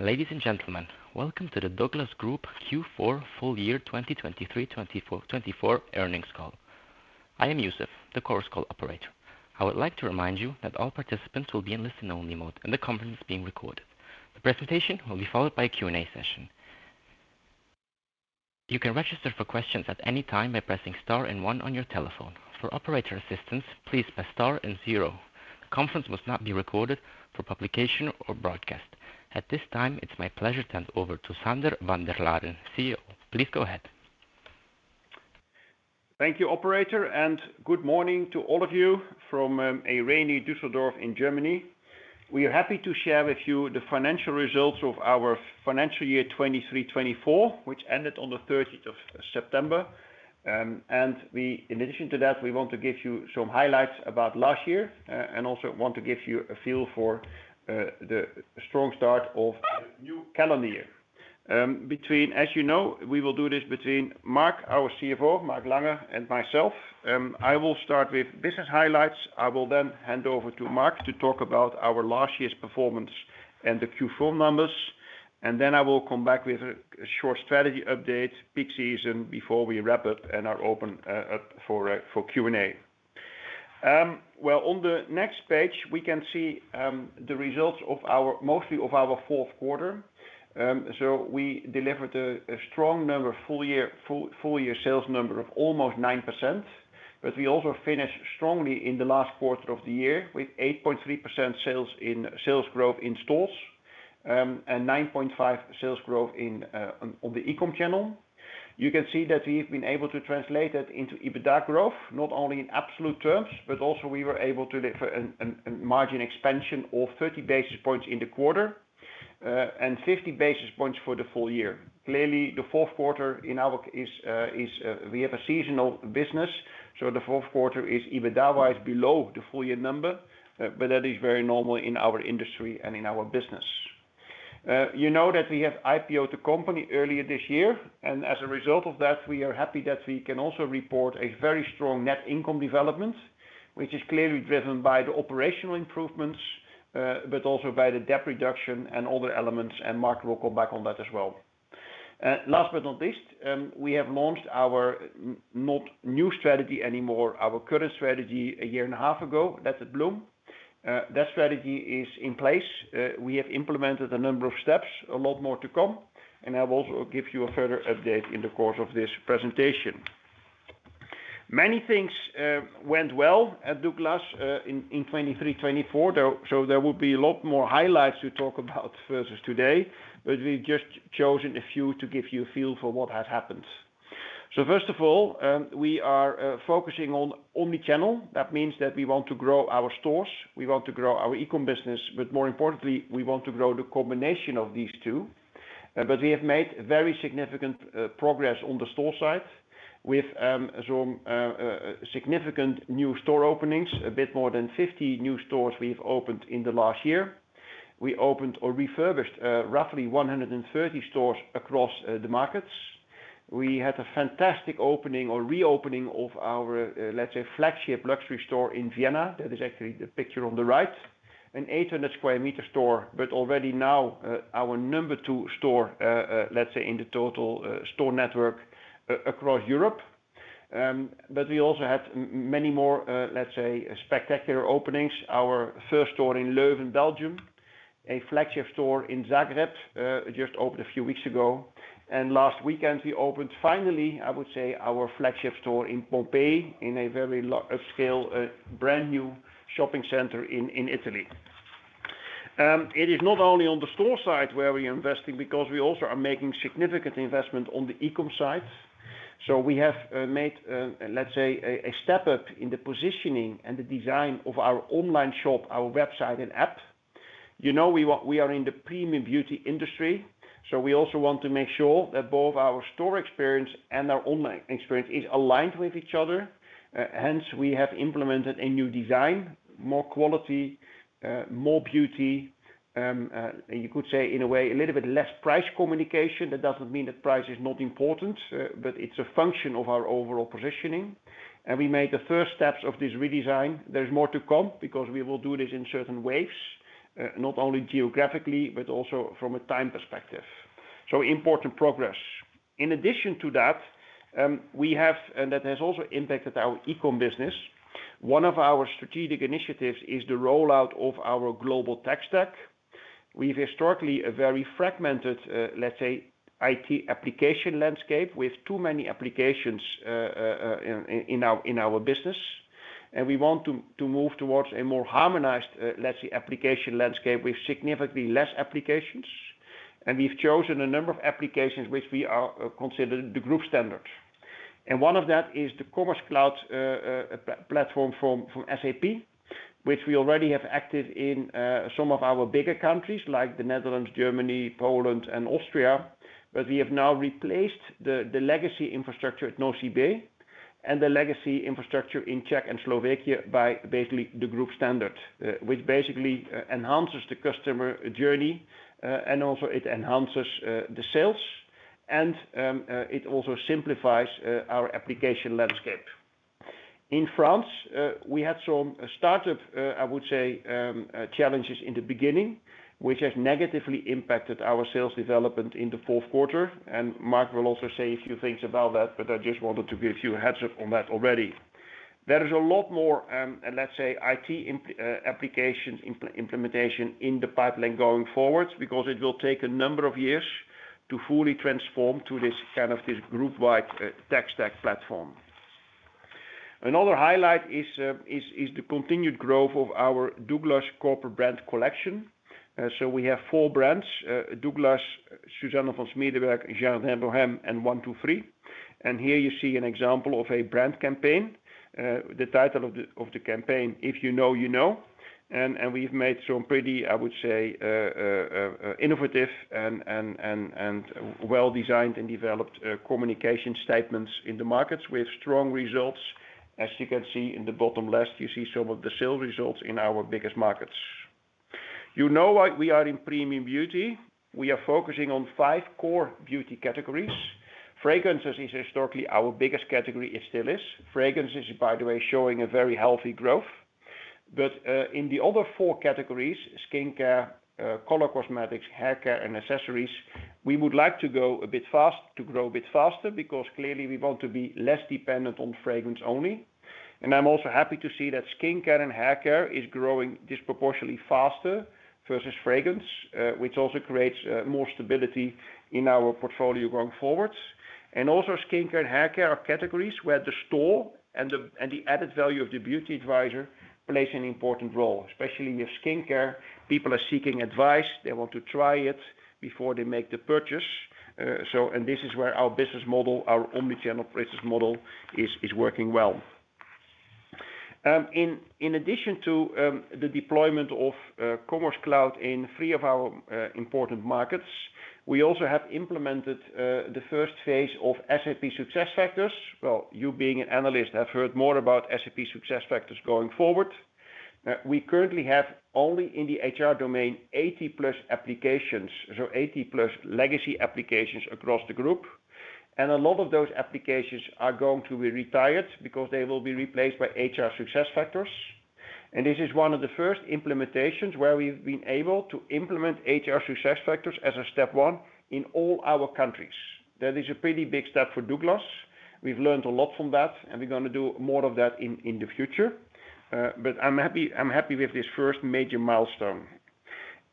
Ladies and gentlemen, welcome to the DOUGLAS Group Q4 Full Year 2023-2024 Earnings Call. I am Youssef, the conference call operator. I would like to remind you that all participants will be in listen-only mode, and the conference is being recorded. The presentation will be followed by a Q&A session. You can register for questions at any time by pressing star and one on your telephone. For operator assistance, please press star and zero. The conference must not be recorded for publication or broadcast. At this time, it's my pleasure to hand over to Sander van der Laan, CEO. Please go ahead. Thank you, operator, and good morning to all of you from a rainy Düsseldorf in Germany. We are happy to share with you the financial results of our financial year 2023-2024, which ended on the 30th of September. In addition to that, we want to give you some highlights about last year and also want to give you a feel for the strong start of a new calendar year. As you know, we will do this between Mark, our CFO, Mark Langer, and myself. I will start with business highlights. I will then hand over to Mark to talk about our last year's performance and the Q4 numbers, then I will come back with a short strategy update, peak season, before we wrap up and are open up for Q&A. On the next page, we can see the results of our most of our fourth quarter. So we delivered a strong number, full year sales number of almost 9%. But we also finished strongly in the last quarter of the year with 8.3% sales growth in stores and 9.5% sales growth on the e-com channel. You can see that we have been able to translate that into EBITDA growth, not only in absolute terms, but also we were able to deliver a margin expansion of 30 basis points in the quarter and 50 basis points for the full year. Clearly, the fourth quarter in our case, we have a seasonal business. So the fourth quarter is EBITDA-wise below the full year number, but that is very normal in our industry and in our business. You know that we have IPOed the company earlier this year. As a result of that, we are happy that we can also report a very strong net income development, which is clearly driven by the operational improvements, but also by the debt reduction and other elements. Mark will come back on that as well. Last but not least, we have launched our not new strategy anymore, our current strategy a year and a half ago, that's Let it Bloom. That strategy is in place. We have implemented a number of steps, a lot more to come. I will also give you a further update in the course of this presentation. Many things went well at DOUGLAS in 2023-24, so there will be a lot more highlights to talk about versus today. We've just chosen a few to give you a feel for what has happened. First of all, we are focusing on omnichannel. That means that we want to grow our stores. We want to grow our e-com business, but more importantly, we want to grow the combination of these two. But we have made very significant progress on the store side with some significant new store openings, a bit more than 50 new stores we have opened in the last year. We opened or refurbished roughly 130 stores across the markets. We had a fantastic opening or reopening of our, let's say, flagship luxury store in Vienna. That is actually the picture on the right, an 800 sq m store, but already now our number two store, let's say, in the total store network across Europe. But we also had many more, let's say, spectacular openings. Our first store in Leuven, Belgium, a flagship store in Zagreb, just opened a few weeks ago. And last weekend, we opened finally, I would say, our flagship store in Pompeii in a very large-scale brand new shopping center in Italy. It is not only on the store side where we are investing because we also are making significant investment on the e-com side. So we have made, let's say, a step up in the positioning and the design of our online shop, our website and app. You know we are in the premium beauty industry. So we also want to make sure that both our store experience and our online experience is aligned with each other. Hence, we have implemented a new design, more quality, more beauty. You could say, in a way, a little bit less price communication. That doesn't mean that price is not important, but it's a function of our overall positioning. And we made the first steps of this redesign. There is more to come because we will do this in certain waves, not only geographically, but also from a time perspective. So important progress. In addition to that, we have, and that has also impacted our e-com business. One of our strategic initiatives is the rollout of our global tech stack. We've historically a very fragmented, let's say, IT application landscape with too many applications in our business. And we want to move towards a more harmonized, let's say, application landscape with significantly less applications. And we've chosen a number of applications which we consider the group standard. And one of that is the Commerce Cloud platform from SAP, which we already have active in some of our bigger countries like the Netherlands, Germany, Poland, and Austria. But we have now replaced the legacy infrastructure at Nocibé and the legacy infrastructure in Czech and Slovakia by basically the group standard, which basically enhances the customer journey and also it enhances the sales. And it also simplifies our application landscape. In France, we had some startup, I would say, challenges in the beginning, which has negatively impacted our sales development in the fourth quarter. And Mark will also say a few things about that, but I just wanted to give you a heads-up on that already. There is a lot more, let's say, IT application implementation in the pipeline going forward because it will take a number of years to fully transform to this kind of this group-wide tech stack platform. Another highlight is the continued growth of our DOUGLAS Corporate Brand collection. So we have four brands: DOUGLAS, Dr. Susanne von Schmiedeberg, Jardin Bohème, and one.two.free! And here you see an example of a brand campaign. The title of the campaign, "If You Know, You Know." And we've made some pretty, I would say, innovative and well-designed and developed communication statements in the markets with strong results. As you can see in the bottom left, you see some of the sales results in our biggest markets. You know why we are in premium beauty. We are focusing on five core beauty categories. Fragrances is historically our biggest category. It still is. Fragrances is, by the way, showing a very healthy growth. But in the other four categories: skincare, color cosmetics, haircare, and accessories, we would like to go a bit fast to grow a bit faster because clearly we want to be less dependent on fragrance only. I'm also happy to see that skincare and haircare is growing disproportionately faster versus fragrance, which also creates more stability in our portfolio going forward. Also, skincare and haircare are categories where the store and the added value of the beauty advisor plays an important role, especially with skincare. People are seeking advice. They want to try it before they make the purchase. And this is where our business model, our omnichannel business model, is working well. In addition to the deployment of Commerce Cloud in three of our important markets, we also have implemented the first phase of SAP SuccessFactors. You, being an analyst, have heard more about SAP SuccessFactors going forward. We currently have only in the HR domain 80+ applications, so 80+ legacy applications across the group. A lot of those applications are going to be retired because they will be replaced by SAP SuccessFactors. This is one of the first implementations where we've been able to implement SAP SuccessFactors as a step one in all our countries. That is a pretty big step for DOUGLAS. We've learned a lot from that, and we're going to do more of that in the future. I'm happy with this first major milestone.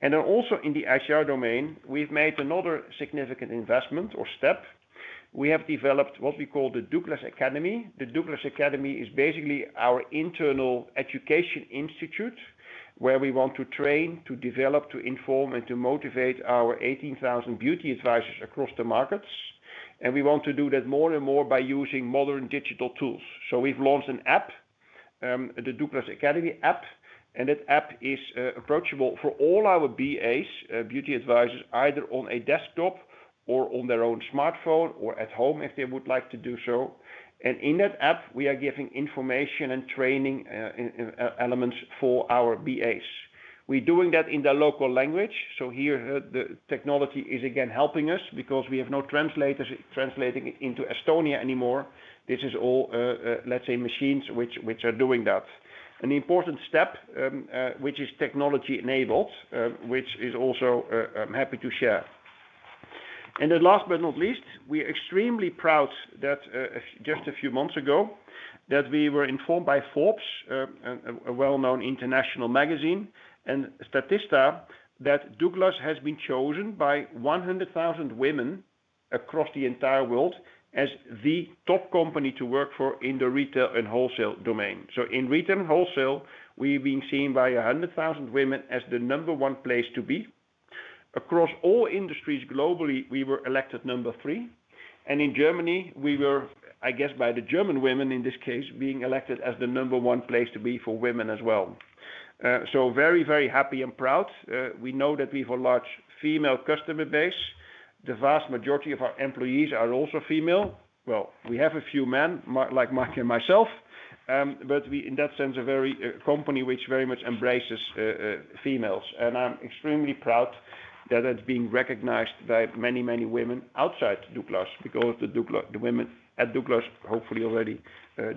Then also in the HR domain, we've made another significant investment or step. We have developed what we call the Douglas Academy. The Douglas Academy is basically our internal education institute where we want to train, to develop, to inform, and to motivate our 18,000 beauty advisors across the markets. We want to do that more and more by using modern digital tools. We've launched an app, the Douglas Academy App. And that app is approachable for all our BAs, beauty advisors, either on a desktop or on their own smartphone or at home if they would like to do so. And in that app, we are giving information and training elements for our BAs. We're doing that in their local language. So here the technology is again helping us because we have no translators translating into Estonia anymore. This is all, let's say, machines which are doing that. An important step, which is technology enabled, which is also I'm happy to share. And then last but not least, we are extremely proud that just a few months ago that we were informed by Forbes, a well-known international magazine, and Statista, that Douglas has been chosen by 100,000 women across the entire world as the top company to work for in the retail and wholesale domain. So in retail and wholesale, we've been seen by 100,000 women as the number one place to be. Across all industries globally, we were elected number three. And in Germany, we were, I guess, by the German women in this case, being elected as the number one place to be for women as well. So very, very happy and proud. We know that we have a large female customer base. The vast majority of our employees are also female. Well, we have a few men like Mark and myself, but we in that sense are a very company which very much embraces females. And I'm extremely proud that it's being recognized by many, many women outside DOUGLAS because the women at DOUGLAS hopefully already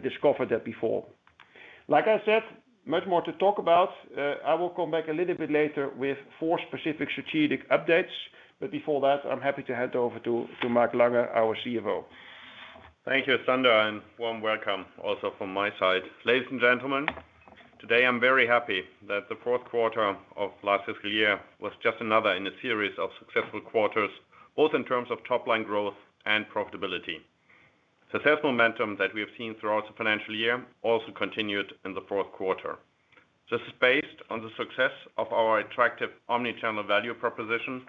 discovered that before. Like I said, much more to talk about. I will come back a little bit later with four specific strategic updates. But before that, I'm happy to hand over to Mark Langer, our CFO. Thank you, Sander, and warm welcome also from my side. Ladies and gentlemen, today I'm very happy that the fourth quarter of last fiscal year was just another in a series of successful quarters, both in terms of top-line growth and profitability. The sales momentum that we have seen throughout the financial year also continued in the fourth quarter. This is based on the success of our attractive omnichannel value proposition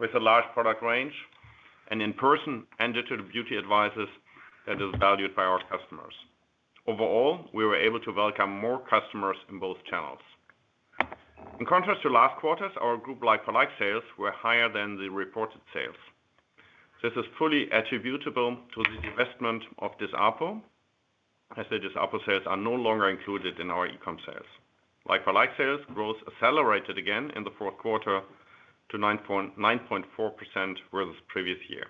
with a large product range and in-person and digital beauty advisors that are valued by our customers. Overall, we were able to welcome more customers in both channels. In contrast to last quarters, our group like-for-like sales were higher than the reported sales. This is fully attributable to the investment of Disapo, as the Disapo sales are no longer included in our e-com sales. Like-for-like sales growth accelerated again in the fourth quarter to 9.4% versus previous year.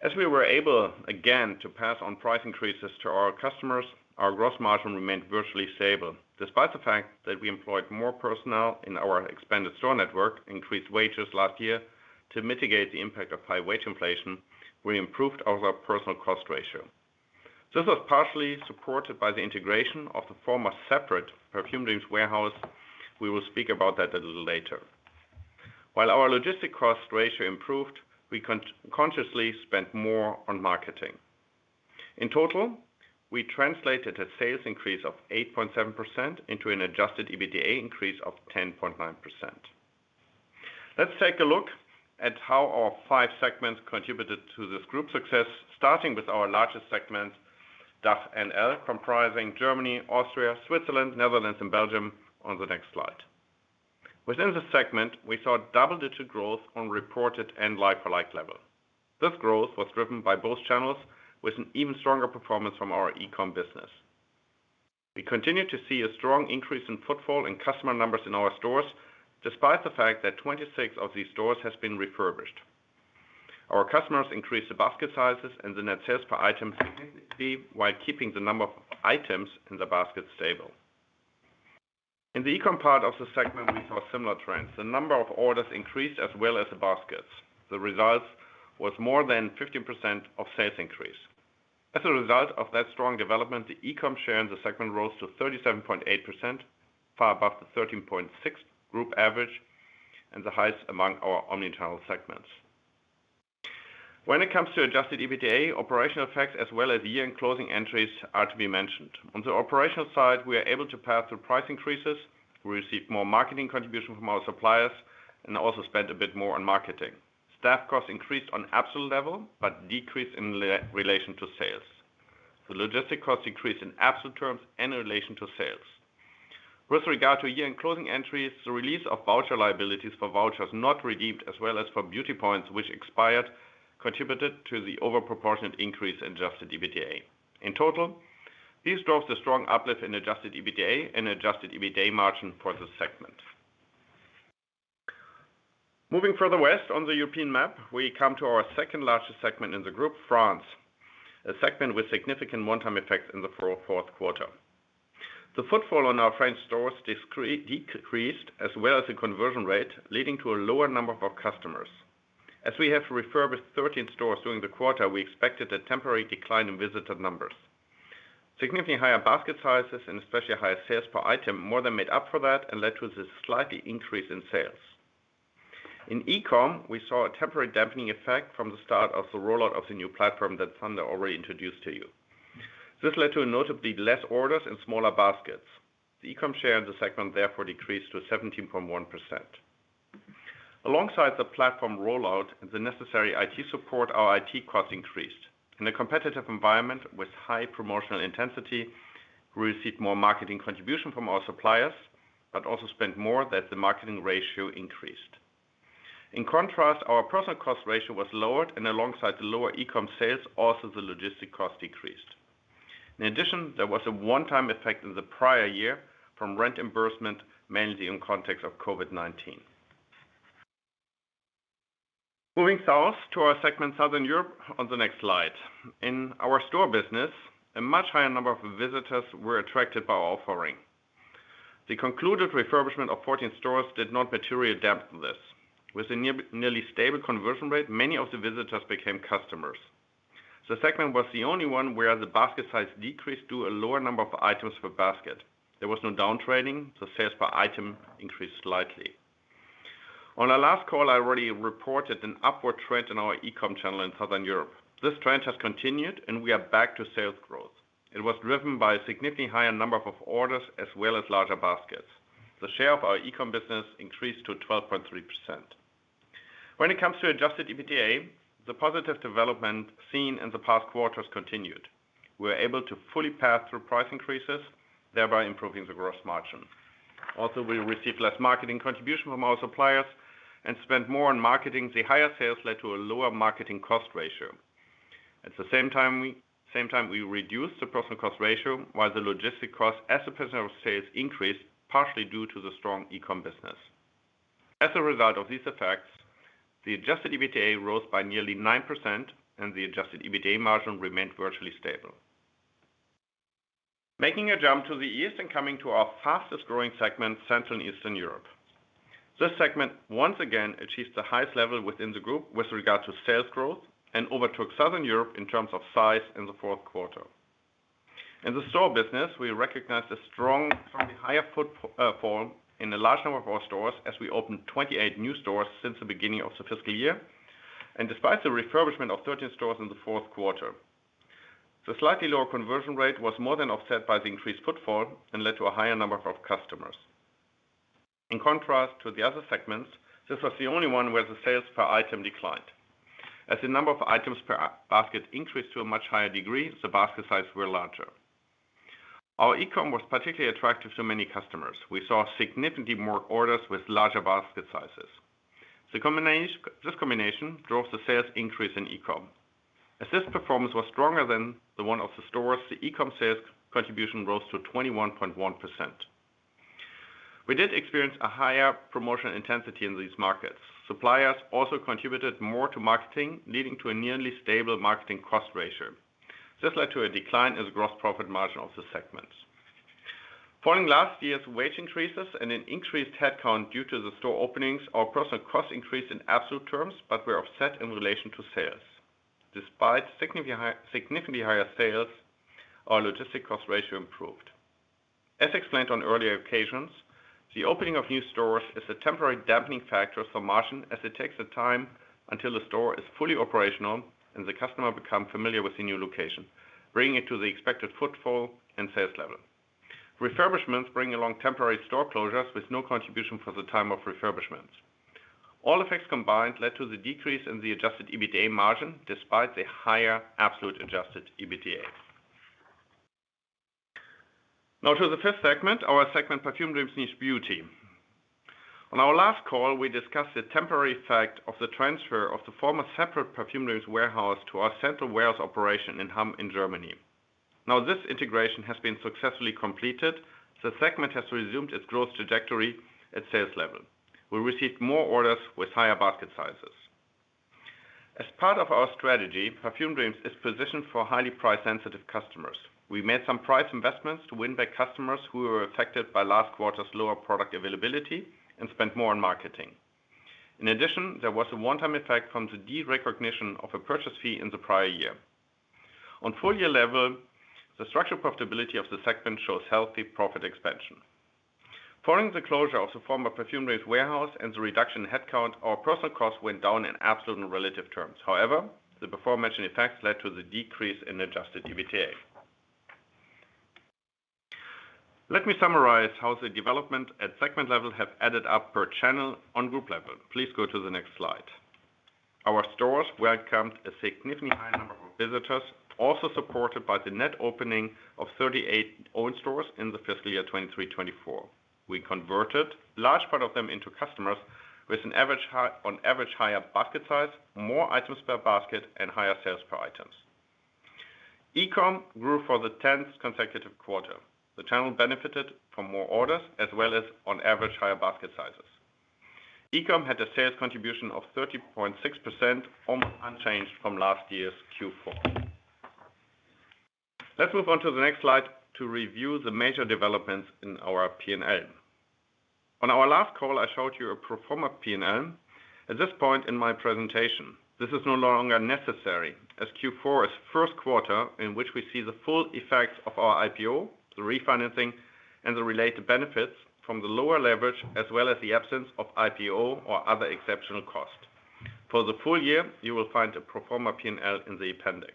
As we were able again to pass on price increases to our customers, our gross margin remained virtually stable. Despite the fact that we employed more personnel in our expanded store network, increased wages last year to mitigate the impact of high wage inflation, we improved our personnel cost ratio. This was partially supported by the integration of the former separate parfumdreams warehouse. We will speak about that a little later. While our logistics cost ratio improved, we consciously spent more on marketing. In total, we translated a sales increase of 8.7% into an adjusted EBITDA increase of 10.9%. Let's take a look at how our five segments contributed to this group success, starting with our largest segment, DACH NL, comprising Germany, Austria, Switzerland, Netherlands, and Belgium on the next slide. Within this segment, we saw double-digit growth on reported and like-for-like level. This growth was driven by both channels with an even stronger performance from our e-com business. We continue to see a strong increase in footfall and customer numbers in our stores, despite the fact that 26 of these stores have been refurbished. Our customers increased the basket sizes and the net sales per item significantly while keeping the number of items in the basket stable. In the e-com part of the segment, we saw similar trends. The number of orders increased as well as the baskets. The result was more than 15% of sales increase. As a result of that strong development, the e-com share in the segment rose to 37.8%, far above the 13.6% group average and the highest among our omnichannel segments. When it comes to adjusted EBITDA, operational effects as well as year-end closing entries are to be mentioned. On the operational side, we are able to pass through price increases. We received more marketing contribution from our suppliers and also spent a bit more on marketing. Staff costs increased on absolute level, but decreased in relation to sales. The logistics costs decreased in absolute terms and in relation to sales. With regard to year-end closing entries, the release of voucher liabilities for vouchers not redeemed as well as for Beauty Points which expired contributed to the overproportionate increase in adjusted EBITDA. In total, this drove the strong uplift in adjusted EBITDA and adjusted EBITDA margin for the segment. Moving further west on the European map, we come to our second largest segment in the group, France, a segment with significant one-time effects in the fourth quarter. The footfall on our French stores decreased as well as the conversion rate, leading to a lower number of customers. As we have refurbished 13 stores during the quarter, we expected a temporary decline in visitor numbers. Significantly higher basket sizes and especially higher sales per item more than made up for that and led to this slight increase in sales. In e-com, we saw a temporary dampening effect from the start of the rollout of the new platform that Sander already introduced to you. This led to notably less orders and smaller baskets. The e-com share in the segment therefore decreased to 17.1%. Alongside the platform rollout and the necessary IT support, our IT costs increased. In a competitive environment with high promotional intensity, we received more marketing contribution from our suppliers, but also spent more, so that the marketing ratio increased. In contrast, our personnel cost ratio was lowered, and alongside the lower e-com sales, also the logistics cost decreased. In addition, there was a one-time effect in the prior year from rent reimbursement, mainly in context of COVID-19. Moving south to our segment, Southern Europe, on the next slide. In our store business, a much higher number of visitors were attracted by our offering. The concluded refurbishment of 14 stores did not materially dampen this. With a nearly stable conversion rate, many of the visitors became customers. The segment was the only one where the basket size decreased due to a lower number of items per basket. There was no downtrading. The sales per item increased slightly. On our last call, I already reported an upward trend in our e-com channel in Southern Europe. This trend has continued, and we are back to sales growth. It was driven by a significantly higher number of orders as well as larger baskets. The share of our e-com business increased to 12.3%. When it comes to adjusted EBITDA, the positive development seen in the past quarters continued. We were able to fully pass through price increases, thereby improving the gross margin. Also, we received less marketing contribution from our suppliers and spent more on marketing. The higher sales led to a lower marketing cost ratio. At the same time, we reduced the personnel cost ratio while the logistics costs as a percentage of sales increased partially due to the strong e-com business. As a result of these effects, the adjusted EBITDA rose by nearly 9%, and the adjusted EBITDA margin remained virtually stable. Making a jump to the east and coming to our fastest growing segment, Central and Eastern Europe. This segment once again achieved the highest level within the group with regard to sales growth and overtook Southern Europe in terms of size in the fourth quarter. In the store business, we recognized a strong higher footfall in a large number of our stores as we opened 28 new stores since the beginning of the fiscal year, and despite the refurbishment of 13 stores in the fourth quarter, the slightly lower conversion rate was more than offset by the increased footfall and led to a higher number of customers. In contrast to the other segments, this was the only one where the sales per item declined. As the number of items per basket increased to a much higher degree, the basket sizes were larger. Our e-com was particularly attractive to many customers. We saw significantly more orders with larger basket sizes. This combination drove the sales increase in e-com. As this performance was stronger than the one of the stores, the e-com sales contribution rose to 21.1%. We did experience a higher promotional intensity in these markets. Suppliers also contributed more to marketing, leading to a nearly stable marketing cost ratio. This led to a decline in the gross profit margin of the segments. Following last year's wage increases and an increased headcount due to the store openings, our personnel costs increased in absolute terms, but were offset in relation to sales. Despite significantly higher sales, our logistics cost ratio improved. As explained on earlier occasions, the opening of new stores is a temporary dampening factor for margin as it takes time until the store is fully operational and the customer becomes familiar with the new location, bringing it to the expected footfall and sales level. Refurbishments bring along temporary store closures with no contribution for the time of refurbishments. All effects combined led to the decrease in the adjusted EBITDA margin despite the higher absolute adjusted EBITDA. Now to the fifth segment, our segment, parfumdreams Niche Beauty. On our last call, we discussed the temporary effect of the transfer of the former separate parfumdreams warehouse to our central warehouse operation in Hamm in Germany. Now this integration has been successfully completed. The segment has resumed its growth trajectory at sales level. We received more orders with higher basket sizes. As part of our strategy, parfumdreams is positioned for highly price-sensitive customers. We made some price investments to win back customers who were affected by last quarter's lower product availability and spent more on marketing. In addition, there was a one-time effect from the derecognition of a purchase fee in the prior year. On full-year level, the structural profitability of the segment shows healthy profit expansion. Following the closure of the former parfumdreams warehouse and the reduction in headcount, our personnel costs went down in absolute and relative terms. However, the before-mentioned effects led to the decrease in adjusted EBITDA. Let me summarize how the development at segment level has added up per channel on group level. Please go to the next slide. Our stores welcomed a significantly higher number of visitors, also supported by the net opening of 38 owned stores in the fiscal year 2023-2024. We converted a large part of them into customers with an average higher basket size, more items per basket, and higher sales per items. E-com grew for the 10th consecutive quarter. The channel benefited from more orders as well as on average higher basket sizes. E-com had a sales contribution of 30.6%, almost unchanged from last year's Q4. Let's move on to the next slide to review the major developments in our P&L. On our last call, I showed you a pro forma P&L. At this point in my presentation, this is no longer necessary as Q4 is the first quarter in which we see the full effects of our IPO, the refinancing, and the related benefits from the lower leverage as well as the absence of IPO or other exceptional costs. For the full year, you will find a pro forma P&L in the appendix.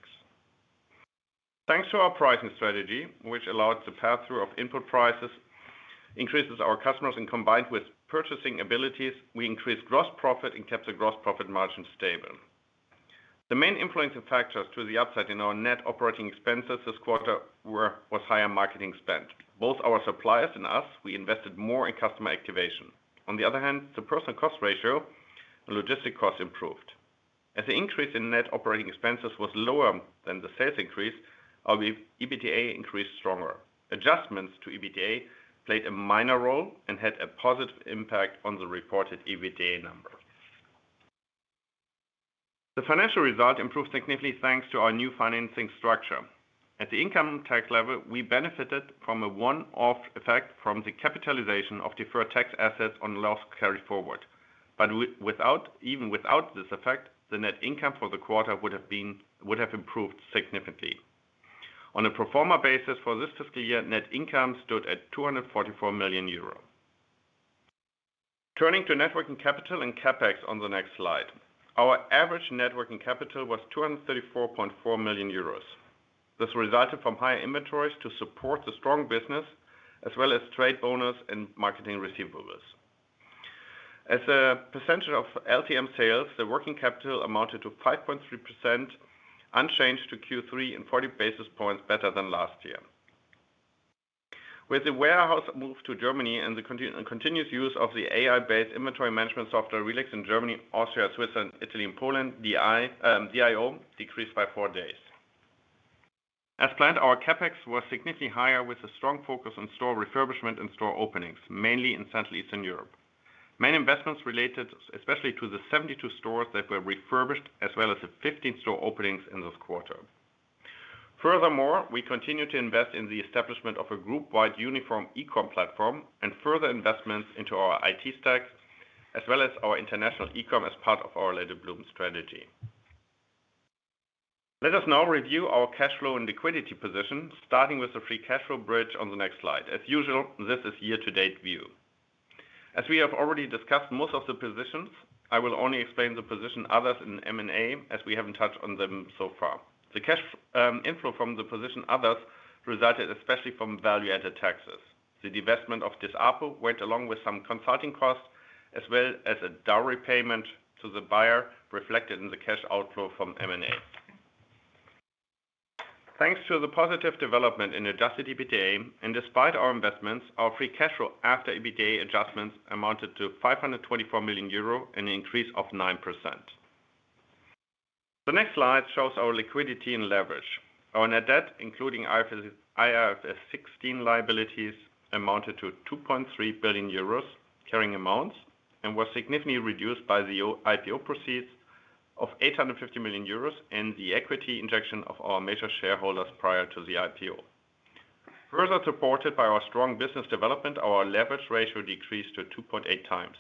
Thanks to our pricing strategy, which allowed the pass-through of input prices, increases our customers, and combined with purchasing abilities, we increased gross profit and kept the gross profit margin stable. The main influencing factors to the upside in our net operating expenses this quarter were higher marketing spend. Both our suppliers and us, we invested more in customer activation. On the other hand, the personnel cost ratio and logistics costs improved. As the increase in net operating expenses was lower than the sales increase, our EBITDA increased stronger. Adjustments to EBITDA played a minor role and had a positive impact on the reported EBITDA number. The financial result improved significantly thanks to our new financing structure. At the income tax level, we benefited from a one-off effect from the capitalization of deferred tax assets on losses carried forward. But even without this effect, the net income for the quarter would have improved significantly. On a pro forma basis for this fiscal year, net income stood at 244 million euro. Turning to net working capital and CapEx on the next slide, our average net working capital was 234.4 million euros. This resulted from higher inventories to support the strong business as well as trade bonus and marketing receivables. As a percentage of LTM sales, the working capital amounted to 5.3%, unchanged to Q3 in 40 basis points better than last year. With the warehouse moved to Germany and the continuous use of the AI-based inventory management software RELEX in Germany, Austria, Switzerland, Italy, and Poland, DIO decreased by four days. As planned, our CapEx was significantly higher with a strong focus on store refurbishment and store openings, mainly in Central and Eastern Europe. Main investments related especially to the 72 stores that were refurbished as well as the 15 store openings in this quarter. Furthermore, we continue to invest in the establishment of a group-wide uniform e-com platform and further investments into our IT stack as well as our international e-com as part of our Let it Bloom strategy. Let us now review our cash flow and liquidity position, starting with the free cash flow bridge on the next slide. As usual, this is year-to-date view. As we have already discussed most of the positions, I will only explain the position others in M&A as we haven't touched on them so far. The cash inflow from the position others resulted especially from value-added taxes. The divestment of Disapo went along with some consulting costs as well as a dowry payment to the buyer reflected in the cash outflow from M&A. Thanks to the positive development in adjusted EBITDA and despite our investments, our free cash flow after EBITDA adjustments amounted to 524 million euro and an increase of 9%. The next slide shows our liquidity and leverage. Our net debt, including IFRS 16 liabilities, amounted to 2.3 billion euros carrying amounts and was significantly reduced by the IPO proceeds of 850 million euros and the equity injection of our major shareholders prior to the IPO. Further supported by our strong business development, our leverage ratio decreased to 2.8 times.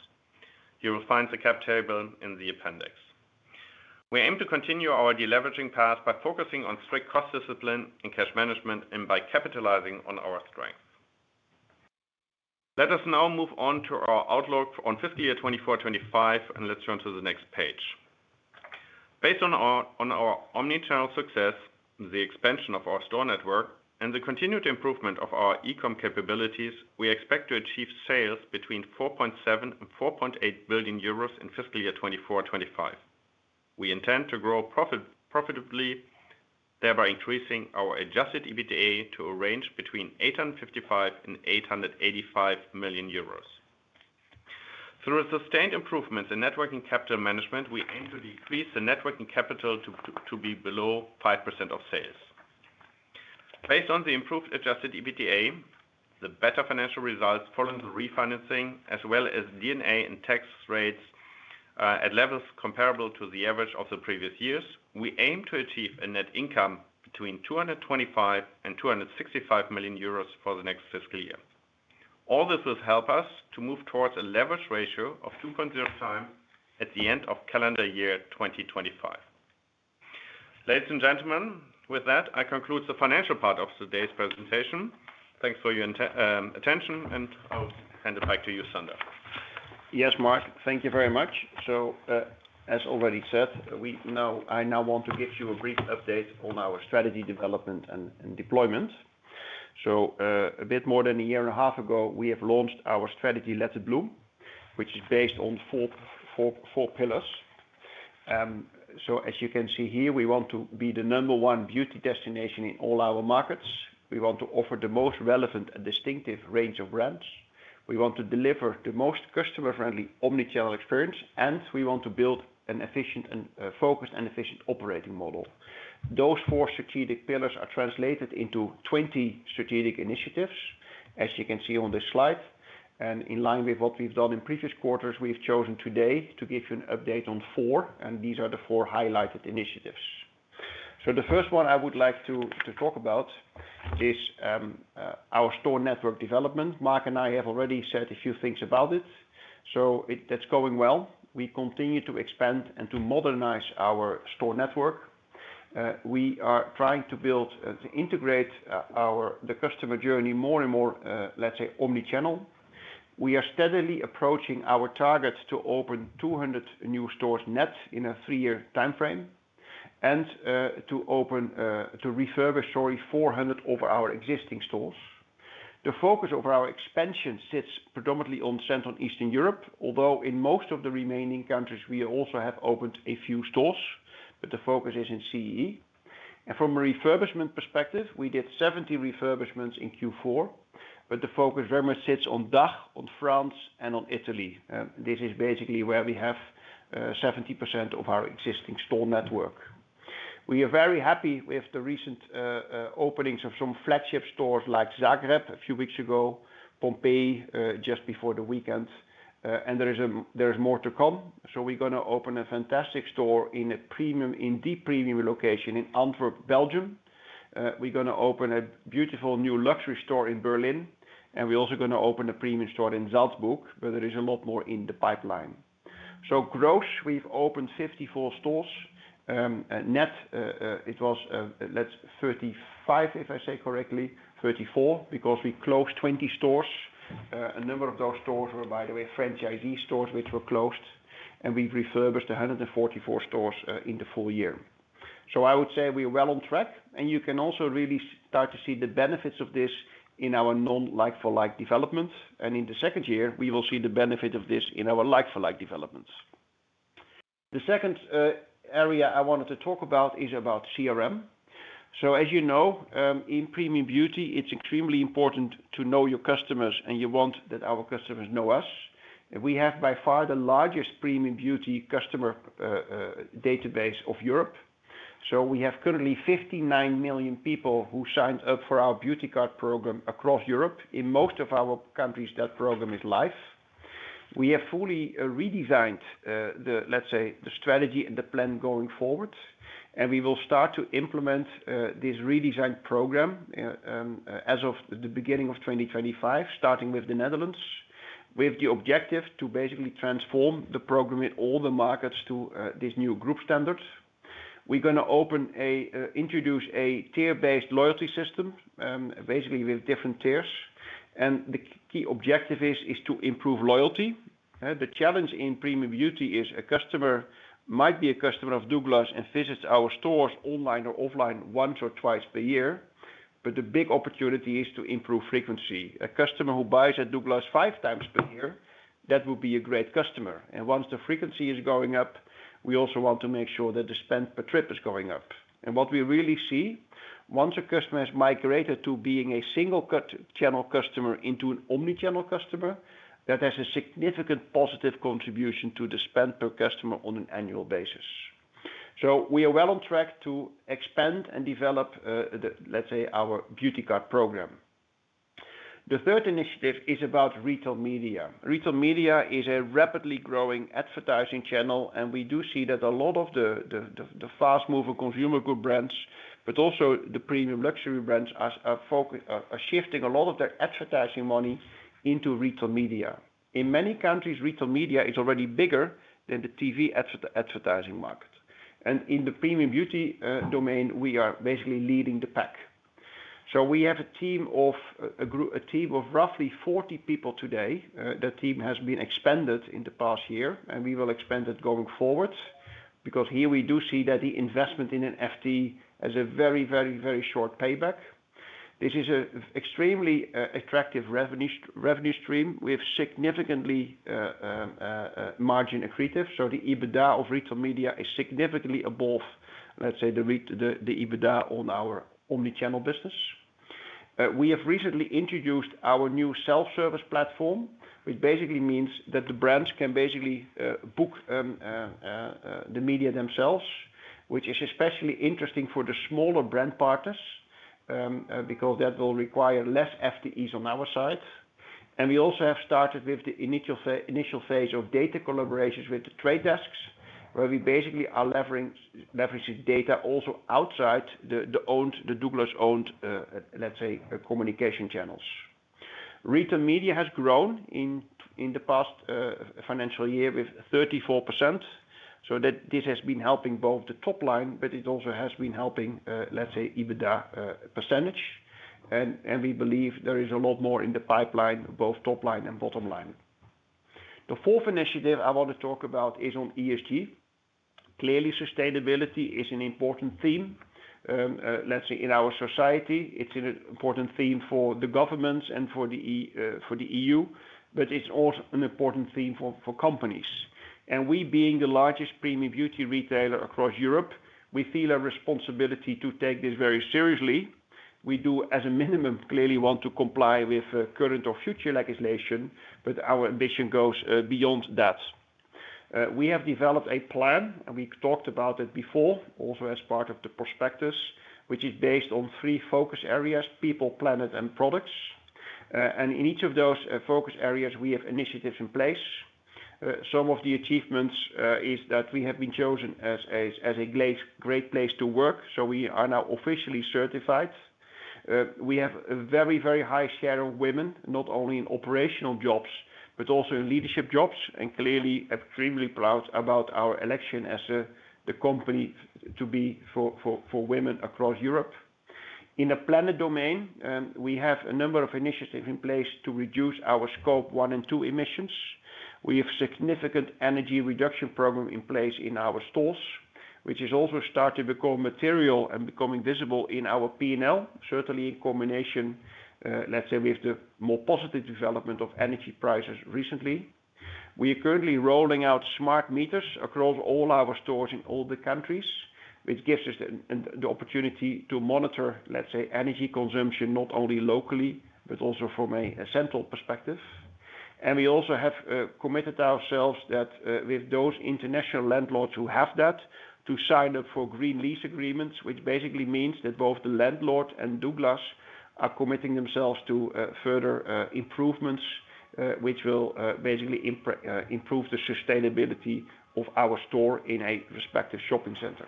You will find the cap table in the appendix. We aim to continue our deleveraging path by focusing on strict cross-discipline in cash management and by capitalizing on our strength. Let us now move on to our outlook on fiscal year 2024-2025 and let's turn to the next page. Based on our omnichannel success, the expansion of our store network, and the continued improvement of our e-com capabilities, we expect to achieve sales between 4.7 billion and 4.8 billion euros in fiscal year 2024-2025. We intend to grow profitably, thereby increasing our adjusted EBITDA to a range between 855million-885 million euros. Through sustained improvements in net working capital management, we aim to decrease the net working capital to be below 5% of sales. Based on the improved adjusted EBITDA, the better financial results following the refinancing, as well as EBITDA and tax rates at levels comparable to the average of the previous years, we aim to achieve a net income between 225 million-265 million euros for the next fiscal year. All this will help us to move towards a leverage ratio of 2.0 times at the end of calendar year 2025. Ladies and gentlemen, with that, I conclude the financial part of today's presentation. Thanks for your attention, and I'll hand it back to you, Sander. Yes, Mark, thank you very much. As already said, I now want to give you a brief update on our strategy development and deployment. A bit more than a year and a half ago, we have launched our strategy Let it Bloom, which is based on four pillars. As you can see here, we want to be the number one beauty destination in all our markets. We want to offer the most relevant and distinctive range of brands. We want to deliver the most customer-friendly omnichannel experience, and we want to build an efficient and focused operating model. Those four strategic pillars are translated into 20 strategic initiatives, as you can see on this slide. In line with what we've done in previous quarters, we've chosen today to give you an update on four, and these are the four highlighted initiatives. So, the first one I would like to talk about is our store network development. Mark and I have already said a few things about it. So, that's going well. We continue to expand and to modernize our store network. We are trying to build, to integrate the customer journey more and more, let's say, omnichannel. We are steadily approaching our target to open 200 new stores net in a three-year timeframe and to refurbish, sorry, 400 of our existing stores. The focus of our expansion sits predominantly on Central and Eastern Europe, although in most of the remaining countries, we also have opened a few stores, but the focus is in CEE. And from a refurbishment perspective, we did 70 refurbishments in Q4, but the focus very much sits on DACH, on France, and on Italy. This is basically where we have 70% of our existing store network. We are very happy with the recent openings of some flagship stores like Zagreb a few weeks ago, Pompeii just before the weekend, and there is more to come. So, we're going to open a fantastic store in a prime premium location in Antwerp, Belgium. We're going to open a beautiful new luxury store in Berlin, and we're also going to open a premium store in Salzburg, but there is a lot more in the pipeline. So, gross, we've opened 54 stores net. It was, let's see, 35, if I say correctly, 34, because we closed 20 stores. A number of those stores were, by the way, franchisee stores which were closed, and we've refurbished 144 stores in the full year. So, I would say we are well on track, and you can also really start to see the benefits of this in our like-for-like developments. In the second year, we will see the benefit of this in our like-for-like developments. The second area I wanted to talk about is about CRM. So, as you know, in premium beauty, it's extremely important to know your customers, and you want that our customers know us. We have by far the largest premium beauty customer database of Europe. So, we have currently 59 million people who signed up for our Beauty Card program across Europe. In most of our countries, that program is live. We have fully redesigned the, let's say, the strategy and the plan going forward, and we will start to implement this redesigned program as of the beginning of 2025, starting with the Netherlands, with the objective to basically transform the program in all the markets to this new group standard. We're going to introduce a tier-based loyalty system, basically with different tiers, and the key objective is to improve loyalty. The challenge in premium beauty is a customer might be a customer of DOUGLAS and visits our stores online or offline once or twice per year, but the big opportunity is to improve frequency. A customer who buys at DOUGLAS five times per year, that would be a great customer, and once the frequency is going up, we also want to make sure that the spend per trip is going up, and what we really see, once a customer has migrated to being a single channel customer into an omnichannel customer, that has a significant positive contribution to the spend per customer on an annual basis, so we are well on track to expand and develop, let's say, our Beauty Card program. The third initiative is about Retail Media. Retail Media is a rapidly growing advertising channel, and we do see that a lot of the fast-moving consumer good brands, but also the premium luxury brands, are shifting a lot of their advertising money into Retail Media. In many countries, Retail Media is already bigger than the TV advertising market. And in the premium beauty domain, we are basically leading the pack. So, we have a team of roughly 40 people today. The team has been expanded in the past year, and we will expand it going forward because here we do see that the investment in an FTE has a very, very, very short payback. This is an extremely attractive revenue stream. We have significantly margin accretive, so the EBITDA of Retail Media is significantly above, let's say, the EBITDA on our omnichannel business. We have recently introduced our new self-service platform, which basically means that the brands can basically book the media themselves, which is especially interesting for the smaller brand partners because that will require less FTEs on our side, and we also have started with the initial phase of data collaborations with the trade desks, where we basically are leveraging data also outside the Douglas-owned, let's say, communication channels. Retail Media has grown in the past financial year with 34%, so this has been helping both the top line, but it also has been helping, let's say, EBITDA percentage. And we believe there is a lot more in the pipeline, both top line and bottom line. The fourth initiative I want to talk about is on ESG. Clearly, sustainability is an important theme. Let's say, in our society, it's an important theme for the governments and for the EU, but it's also an important theme for companies. And we, being the largest premium beauty retailer across Europe, we feel a responsibility to take this very seriously. We do, as a minimum, clearly want to comply with current or future legislation, but our ambition goes beyond that. We have developed a plan, and we talked about it before, also as part of the prospectus, which is based on three focus areas: people, planet, and products. And in each of those focus areas, we have initiatives in place. Some of the achievements is that we have been chosen as a Great Place to Work, so we are now officially certified. We have a very, very high share of women, not only in operational jobs, but also in leadership jobs, and clearly extremely proud about our selection as the company to be for women across Europe. In the planet domain, we have a number of initiatives in place to reduce our Scope 1 and 2 emissions. We have a significant energy reduction program in place in our stores, which is also starting to become material and becoming visible in our P&L, certainly in combination, let's say, with the more positive development of energy prices recently. We are currently rolling out smart meters across all our stores in all the countries, which gives us the opportunity to monitor, let's say, energy consumption not only locally, but also from a central perspective. We also have committed ourselves that with those international landlords who have that to sign up for green lease agreements, which basically means that both the landlord and DOUGLAS are committing themselves to further improvements, which will basically improve the sustainability of our store in a respective shopping center.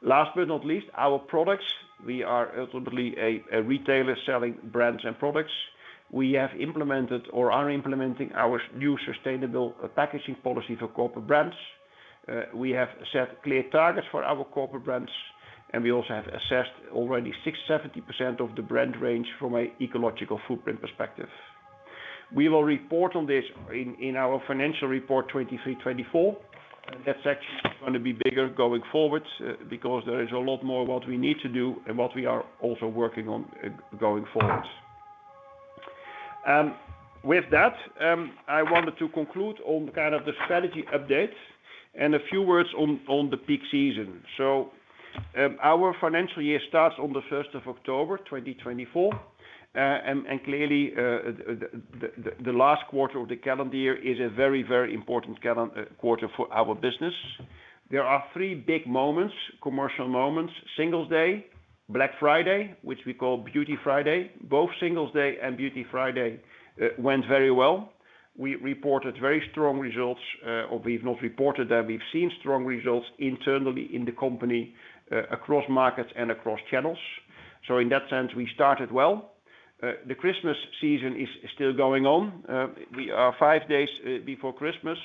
Last but not least, our products. We are ultimately a retailer selling brands and products. We have implemented or are implementing our new sustainable packaging policy for corporate brands. We have set clear targets for our corporate brands, and we also have assessed already 70% of the brand range from an ecological footprint perspective. We will report on this in our financial report 2023-2024. That section is going to be bigger going forward because there is a lot more of what we need to do and what we are also working on going forward. With that, I wanted to conclude on kind of the strategy updates and a few words on the peak season. So, our financial year starts on the 1st of October 2024, and clearly, the last quarter of the calendar year is a very, very important quarter for our business. There are three big moments, commercial moments, Singles Day, Black Friday, which we call Beauty Friday. Both Singles Day and Beauty Friday went very well. We reported very strong results, or we've not reported that. We've seen strong results internally in the company across markets and across channels. So, in that sense, we started well. The Christmas season is still going on. We are five days before Christmas,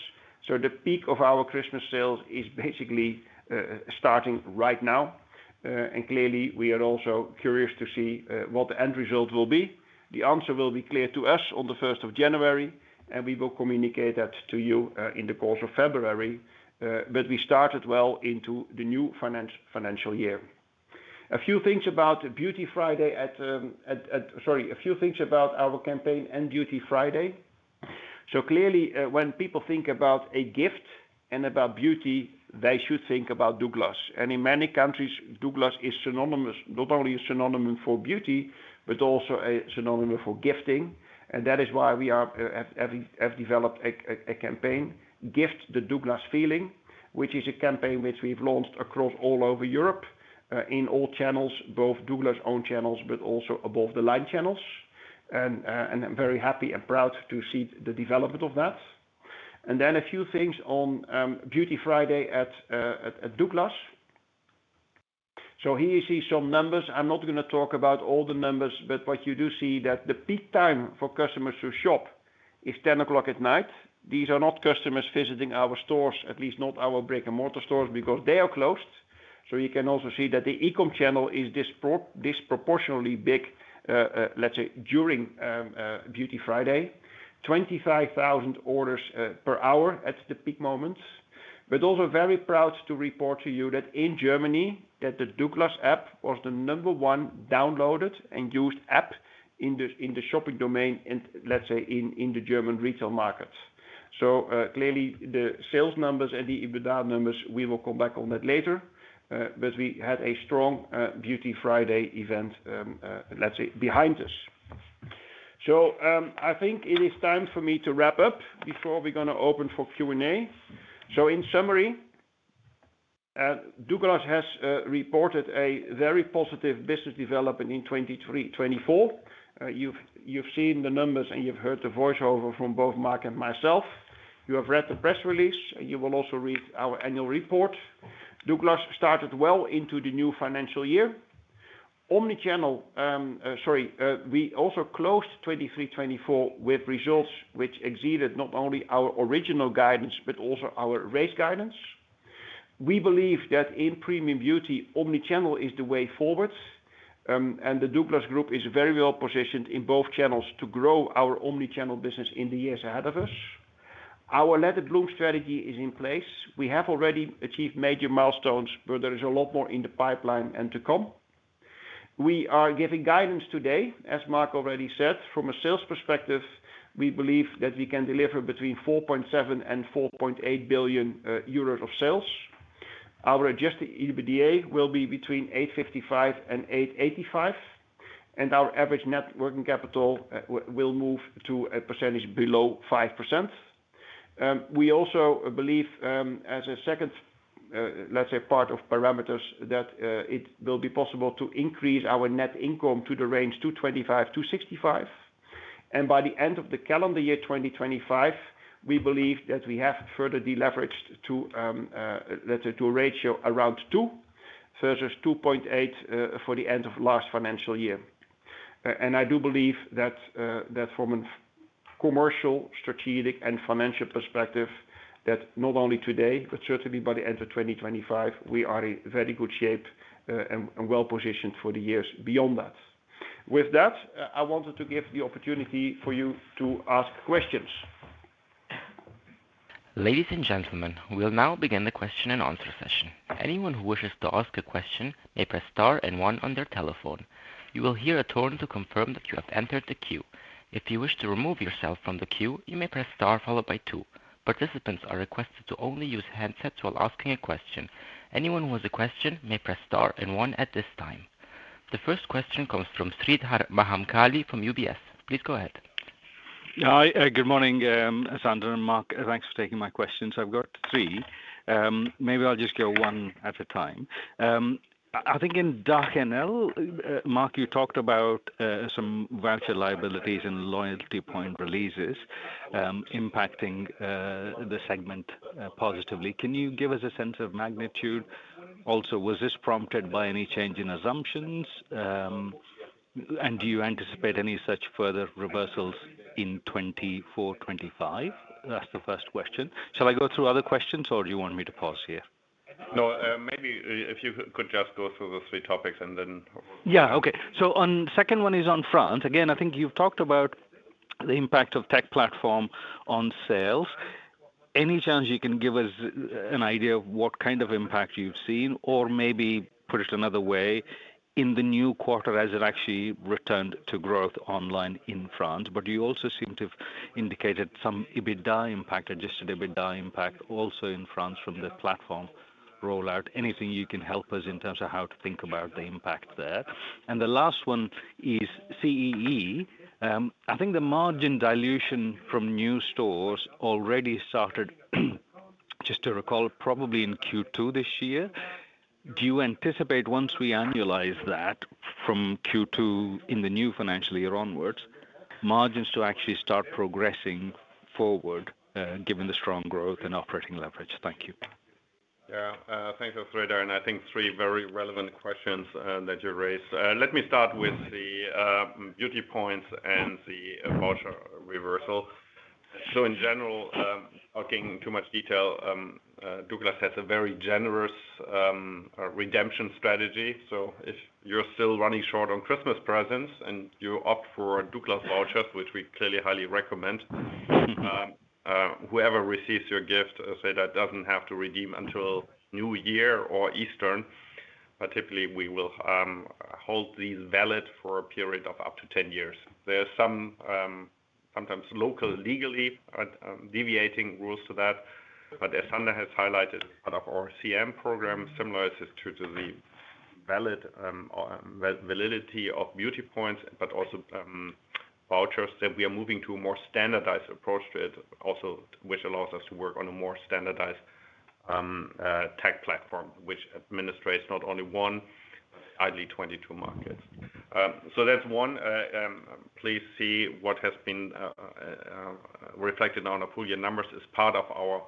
so the peak of our Christmas sales is basically starting right now. And clearly, we are also curious to see what the end result will be. The answer will be clear to us on the 1st of January, and we will communicate that to you in the course of February. But we started well into the new financial year. A few things about Beauty Friday at, sorry, a few things about our campaign and Beauty Friday. So, clearly, when people think about a gift and about beauty, they should think about DOUGLAS. And in many countries, DOUGLAS is not only a synonym for beauty, but also a synonym for gifting. And that is why we have developed a campaign, Gift the DOUGLAS Feeling, which is a campaign which we've launched across all over Europe in all channels, both Douglas-owned channels, but also above-the-line channels. And I'm very happy and proud to see the development of that. And then a few things on Beauty Friday at DOUGLAS. So, here you see some numbers. I'm not going to talk about all the numbers, but what you do see is that the peak time for customers to shop is 10 o'clock at night. These are not customers visiting our stores, at least not our brick-and-mortar stores, because they are closed. So, you can also see that the e-com channel is disproportionately big, let's say, during Beauty Friday. 25,000 orders per hour at the peak moments. But also very proud to report to you that in Germany, the Douglas App was the number one downloaded and used app in the shopping domain, let's say, in the German retail market. So, clearly, the sales numbers and the EBITDA numbers, we will come back on that later, but we had a strong Beauty Friday event, let's say, behind us. So, I think it is time for me to wrap up before we're going to open for Q&A. In summary, DOUGLAS has reported a very positive business development in 2024. You've seen the numbers, and you've heard the voiceover from both Mark and myself. You have read the press release, and you will also read our annual report. DOUGLAS started well into the new financial year. Omnichannel, sorry, we also closed 2023-2024 with results which exceeded not only our original guidance, but also our raised guidance. We believe that in premium beauty, omnichannel is the way forward, and the DOUGLAS Group is very well positioned in both channels to grow our omnichannel business in the years ahead of us. Our Let it Bloom strategy is in place. We have already achieved major milestones, but there is a lot more in the pipeline and to come. We are giving guidance today, as Mark already said. From a sales perspective, we believe that we can deliver between 4.7 billion and 4.8 billion euros of sales. Our Adjusted EBITDA will be between 855 and 885, and our average net working capital will move to a percentage below 5%. We also believe, as a second, let's say, part of parameters, that it will be possible to increase our net income to the range 225-265. And by the end of the calendar year 2025, we believe that we have further deleveraged to a ratio around two versus 2.8 for the end of last financial year. And I do believe that from a commercial, strategic, and financial perspective, that not only today, but certainly by the end of 2025, we are in very good shape and well positioned for the years beyond that. With that, I wanted to give the opportunity for you to ask questions. Ladies and gentlemen, we'll now begin the question and answer session. Anyone who wishes to ask a question may press star and one on their telephone. You will hear a tone to confirm that you have entered the queue. If you wish to remove yourself from the queue, you may press star followed by two. Participants are requested to only use handsets while asking a question. Anyone who has a question may press star and one at this time. The first question comes from Sreedhar Mahamkali from UBS. Please go ahead. Hi, good morning, Sander and Mark. Thanks for taking my questions. I've got three. Maybe I'll just go one at a time. I think in DACH NL, Mark, you talked about some voucher liabilities and loyalty point releases impacting the segment positively. Can you give us a sense of magnitude? Also, was this prompted by any change in assumptions? And do you anticipate any such further reversals in 2024-2025? That's the first question. Shall I go through other questions, or do you want me to pause here? No, maybe if you could just go through the three topics and then. Yeah, okay. So, the second one is on France. Again, I think you've talked about the impact of tech platform on sales. Any chance you can give us an idea of what kind of impact you've seen, or maybe put it another way, in the new quarter as it actually returned to growth online in France? But you also seem to have indicated some adjusted EBITDA impact, adjusted EBITDA impact also in France from the platform rollout. Anything you can help us in terms of how to think about the impact there? And the last one is CEE. I think the margin dilution from new stores already started, just to recall, probably in Q2 this year. Do you anticipate, once we annualize that from Q2 in the new financial year onwards, margins to actually start progressing forward given the strong growth and operating leverage? Thank you. Yeah, thanks, Sreedhar, and I think three very relevant questions that you raised. Let me start with the beauty points and the voucher reversal. So, in general, talking too much detail, Douglas has a very generous redemption strategy. So, if you're still running short on Christmas presents and you opt for DOUGLAS vouchers, which we clearly highly recommend, whoever receives your gift say that doesn't have to redeem until New Year or Easter. Typically, we will hold these valid for a period of up to 10 years. There are some sometimes local legally deviating rules to that, but as Sander has highlighted, part of our CM program similarizes to the validity of beauty points, but also vouchers that we are moving to a more standardized approach to it, also which allows us to work on a more standardized tech platform, which administers not only one, but ideally 22 markets. So, that's one. Please see what has been reflected now in the full year numbers as part of our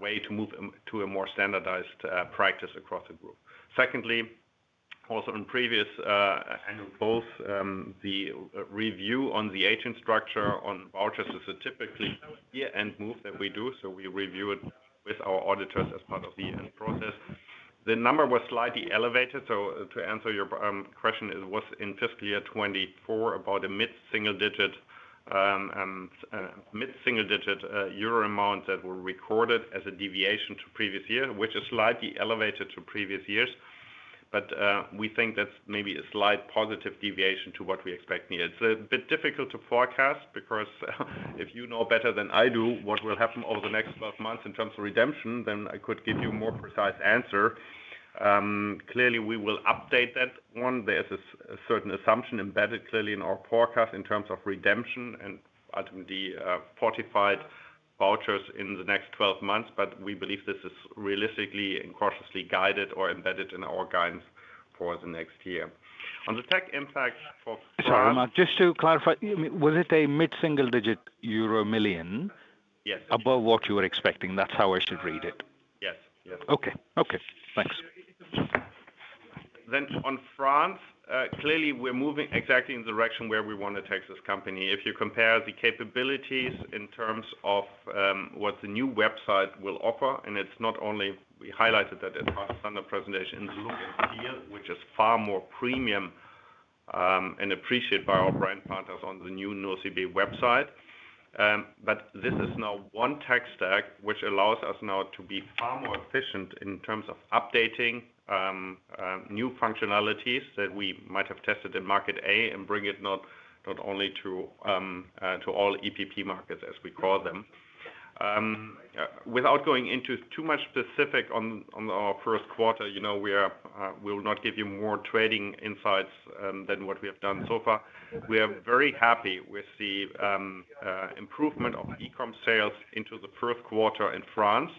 way to move to a more standardized practice across the group. Secondly, also in previous, both the review on the aging structure on vouchers is a typical year-end move that we do. So, we review it with our auditors as part of the end process. The number was slightly elevated. To answer your question, it was in fiscal year 2024 about a mid-single-digit euro amount that were recorded as a deviation to previous year, which is slightly elevated to previous years. But we think that's maybe a slight positive deviation to what we expect here. It's a bit difficult to forecast because if you know better than I do what will happen over the next 12 months in terms of redemption, then I could give you a more precise answer. Clearly, we will update that one. There is a certain assumption embedded clearly in our forecast in terms of redemption and ultimately forfeited vouchers in the next 12 months, but we believe this is realistically and cautiously guided or embedded in our guidance for the next year. On the tech impact for. Sorry, Mark, just to clarify, was it a mid-single digit euro million above what you were expecting? That's how I should read it. Yes. Yes. Okay. Okay. Thanks. Then on France, clearly, we're moving exactly in the direction where we want to take this company. If you compare the capabilities in terms of what the new website will offer, and it's not only we highlighted that at the standard presentation in the look and feel, which is far more premium and appreciated by our brand partners on the new Nocibé website. But this is now one tech stack which allows us now to be far more efficient in terms of updating new functionalities that we might have tested in market A and bring it not only to all EPP markets, as we call them. Without going into too much specific on our first quarter, we will not give you more trading insights than what we have done so far. We are very happy with the improvement of e-com sales into the first quarter in France.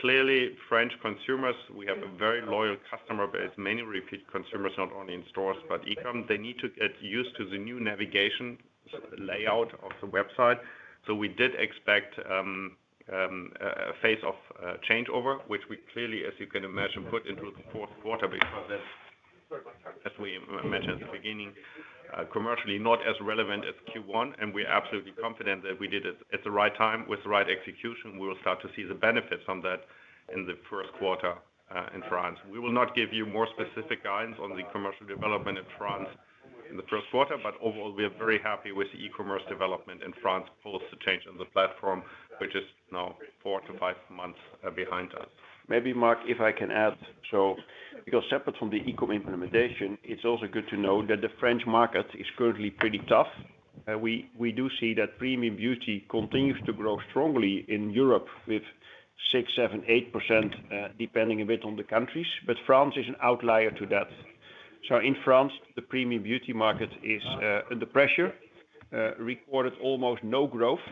Clearly, French consumers, we have a very loyal customer base, many repeat consumers, not only in stores but e-com, they need to get used to the new navigation layout of the website. So, we did expect a phase of changeover, which we clearly, as you can imagine, put into the fourth quarter because that's, as we mentioned at the beginning, commercially not as relevant as Q1, and we're absolutely confident that we did it at the right time with the right execution. We will start to see the benefits on that in the first quarter in France. We will not give you more specific guidance on the commercial development in France in the first quarter, but overall, we are very happy with the e-commerce development in France post the change in the platform, which is now four to five months behind us. Maybe, Mark, if I can add. So, because separate from the e-com implementation, it's also good to know that the French market is currently pretty tough. We do see that premium beauty continues to grow strongly in Europe with 6%, 7%, 8%, depending a bit on the countries, but France is an outlier to that. So, in France, the premium beauty market is under pressure, recorded almost no growth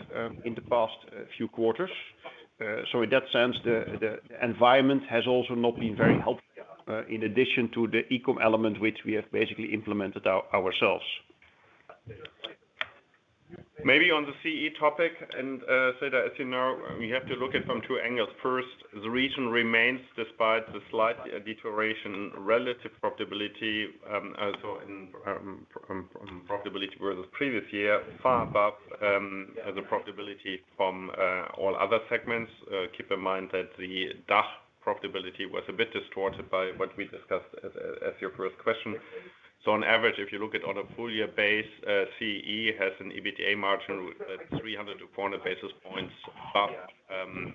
in the past few quarters. So, in that sense, the environment has also not been very helpful in addition to the e-com element, which we have basically implemented ourselves. Maybe on the CEE topic and Sreedhar, as you know, we have to look at it from two angles. First, the region remains despite the slight deterioration in relative profitability, so in profitability versus previous year, far above the profitability from all other segments. Keep in mind that the DACH profitability was a bit distorted by what we discussed as your first question. So, on average, if you look at on a full-year basis, CEE has an EBITDA margin that's 300-400 basis points above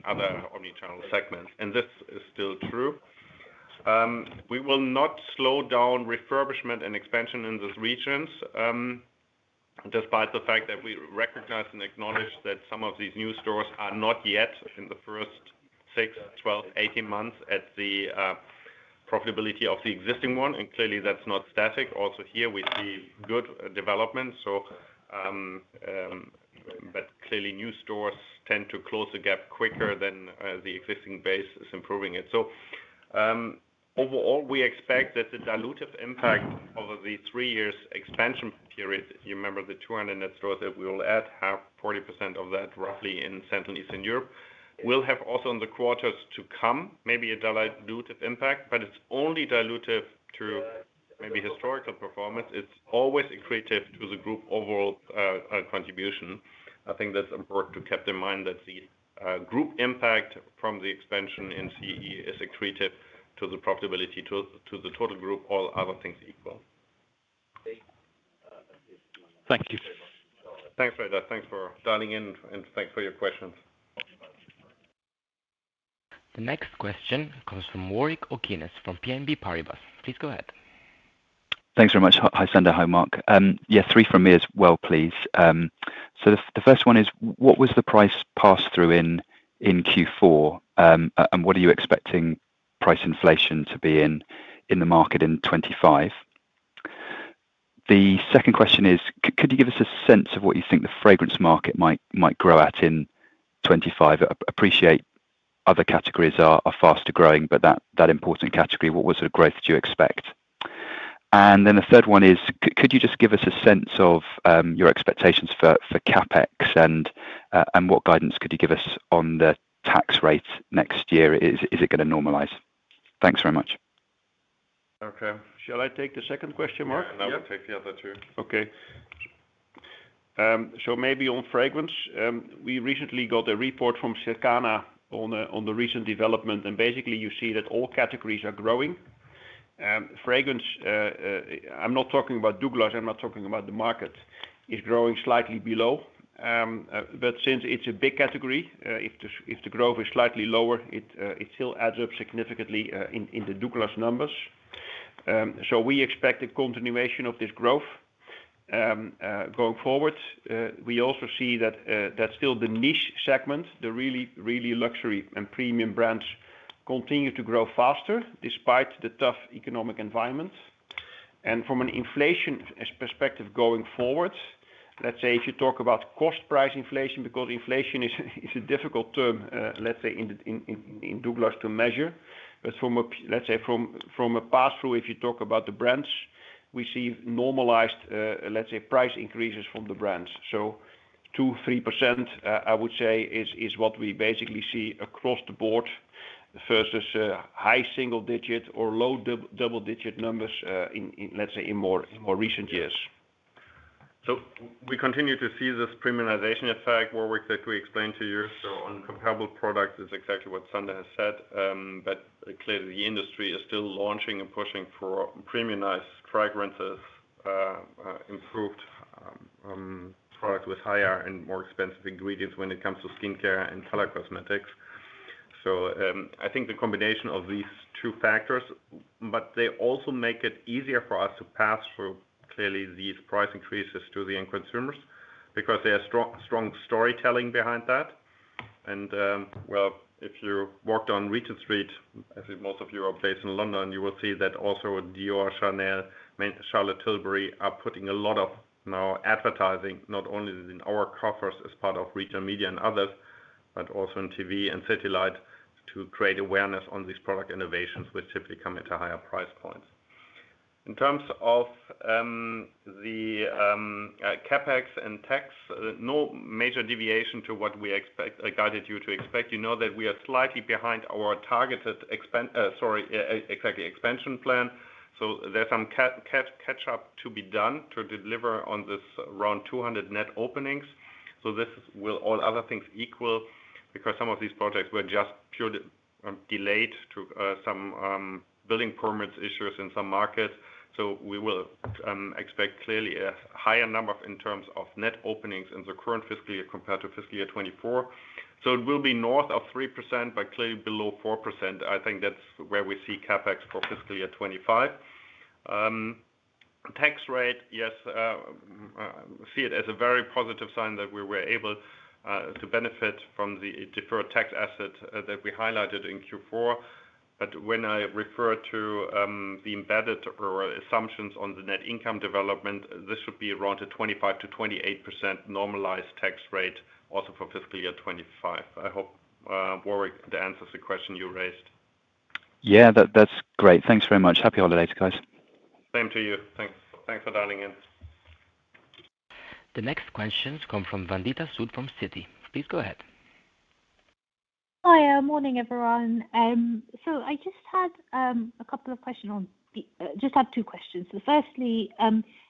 other omnichannel segments. And this is still true. We will not slow down refurbishment and expansion in those regions despite the fact that we recognize and acknowledge that some of these new stores are not yet in the first six, 12, 18 months at the profitability of the existing one. And clearly, that's not static. Also here, we see good development. But clearly, new stores tend to close the gap quicker than the existing base is improving it. So, overall, we expect that the dilutive impact over the three years expansion period, you remember the 200 net stores that we will add, have 40% of that roughly in Central and Eastern Europe. We'll have also in the quarters to come maybe a dilutive impact, but it's only dilutive to maybe historical performance. It's always accretive to the group overall contribution. I think that's important to keep in mind that the group impact from the expansion in CEE is accretive to the profitability to the total group, all other things equal. Thank you. Thanks, Sreedhar. Thanks for dialing in and thanks for your questions. The next question comes from Warwick Okines from BNP Paribas. Please go ahead. Thanks very much. Hi, Sander. Hi, Mark. Yeah, three from me as well, please. So, the first one is, what was the price passed through in Q4, and what are you expecting price inflation to be in the market in 2025? The second question is, could you give us a sense of what you think the fragrance market might grow at in 2025? Appreciate other categories are faster growing, but that important category, what was the growth you expect? And then the third one is, could you just give us a sense of your expectations for CapEx and what guidance could you give us on the tax rate next year? Is it going to normalize? Thanks very much. Okay. Shall I take the second question, Mark? Yeah, take the other two. Okay. So, maybe on fragrance, we recently got a report from Circana on the recent development, and basically, you see that all categories are growing. Fragrance, I'm not talking about DOUGLAS, I'm not talking about the market, is growing slightly below. But since it's a big category, if the growth is slightly lower, it still adds up significantly in the DOUGLAS numbers. So, we expect a continuation of this growth going forward. We also see that still the niche segment, the really, really luxury and premium brands continue to grow faster despite the tough economic environment. And from an inflation perspective going forward, let's say if you talk about cost price inflation, because inflation is a difficult term, let's say in DOUGLAS to measure, but let's say from a pass-through, if you talk about the brands, we see normalized, let's say, price increases from the brands. So, 2%-3%, I would say, is what we basically see across the board versus high single-digit or low double-digit numbers, let's say, in more recent years. So, we continue to see this premiumization effect, Warwick, that we explained to you. So, on comparable products, it's exactly what Sander has said. But clearly, the industry is still launching and pushing for premiumized fragrances, improved products with higher and more expensive ingredients when it comes to skincare and color cosmetics. So, I think the combination of these two factors, but they also make it easier for us to pass through clearly these price increases to the end consumers because there's strong storytelling behind that. Well, if you walked on Regent Street, as most of you are based in London, you will see that also Dior, Chanel, Charlotte Tilbury are putting a lot of new advertising, not only in our stores as part of retail media and others, but also in TV and social to create awareness on these product innovations which typically come at a higher price point. In terms of the CapEx and tax, no major deviation from what we guided you to expect. You know that we are slightly behind our targeted expansion plan. So, there's some catch-up to be done to deliver on this around 200 net openings. So, this will, all other things equal, because some of these projects were just purely delayed due to some building permit issues in some markets. So, we will expect clearly a higher number in terms of net openings in the current fiscal year compared to fiscal year 2024. So, it will be north of 3%, but clearly below 4%. I think that's where we see CapEx for fiscal year 2025. Tax rate, yes, I see it as a very positive sign that we were able to benefit from the deferred tax asset that we highlighted in Q4. But when I refer to the embedded or assumptions on the net income development, this should be around a 25%-28% normalized tax rate also for fiscal year 2025. I hope, Warwick, that answers the question you raised. Yeah, that's great. Thanks very much. Happy holidays, guys. Same to you. Thanks for dialing in. The next questions come from Vandita Sood from Citi. Please go ahead. Hi, morning, everyone. So, I just had two questions. So, firstly,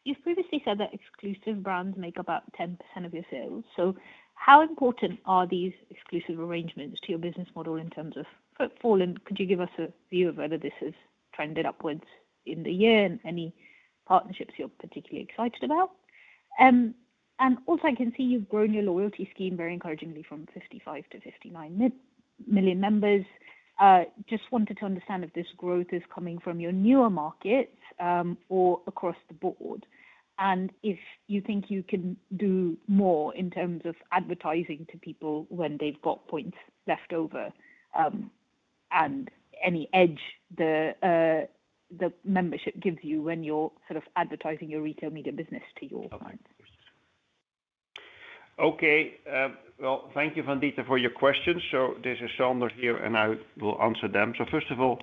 you've previously said that exclusive brands make about 10% of your sales. So, how important are these exclusive arrangements to your business model in terms of footfall? And could you give us a view of whether this has trended upwards in the year and any partnerships you're particularly excited about? And also, I can see you've grown your loyalty scheme very encouragingly from 55 to 59 million members. Just wanted to understand if this growth is coming from your newer markets or across the board, and if you think you can do more in terms of advertising to people when they've got points left over and any edge the membership gives you when you're sort of advertising your Retail Media business to your clients. Okay. Well, thank you, Vandita, for your questions. This is Sander here, and I will answer them. First of all,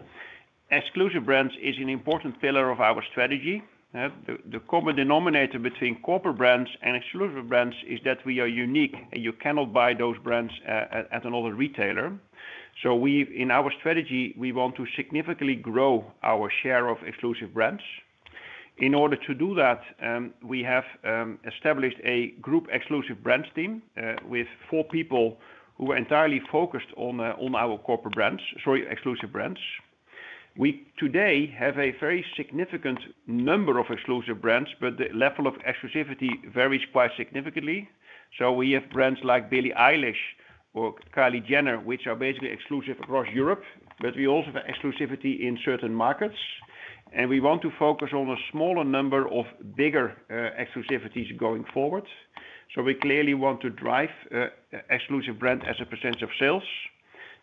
exclusive brands is an important pillar of our strategy. The common denominator between corporate brands and exclusive brands is that we are unique, and you cannot buy those brands at another retailer. In our strategy, we want to significantly grow our share of exclusive brands. In order to do that, we have established a group exclusive brands team with four people who are entirely focused on our corporate brands, sorry, exclusive brands. We today have a very significant number of exclusive brands, but the level of exclusivity varies quite significantly. We have brands like Billie Eilish or Kylie Jenner, which are basically exclusive across Europe, but we also have exclusivity in certain markets. We want to focus on a smaller number of bigger exclusivities going forward. So, we clearly want to drive exclusive brands as a percentage of sales.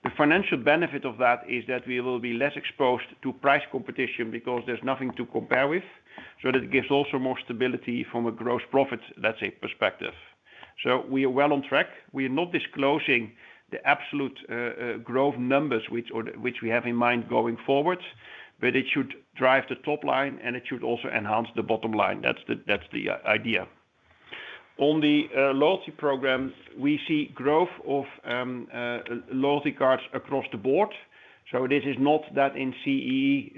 The financial benefit of that is that we will be less exposed to price competition because there's nothing to compare with. So, that gives also more stability from a gross profit, let's say, perspective. So, we are well on track. We are not disclosing the absolute growth numbers which we have in mind going forward, but it should drive the top line, and it should also enhance the bottom line. That's the idea. On the loyalty program, we see growth of loyalty cards across the board. So, this is not that in CEE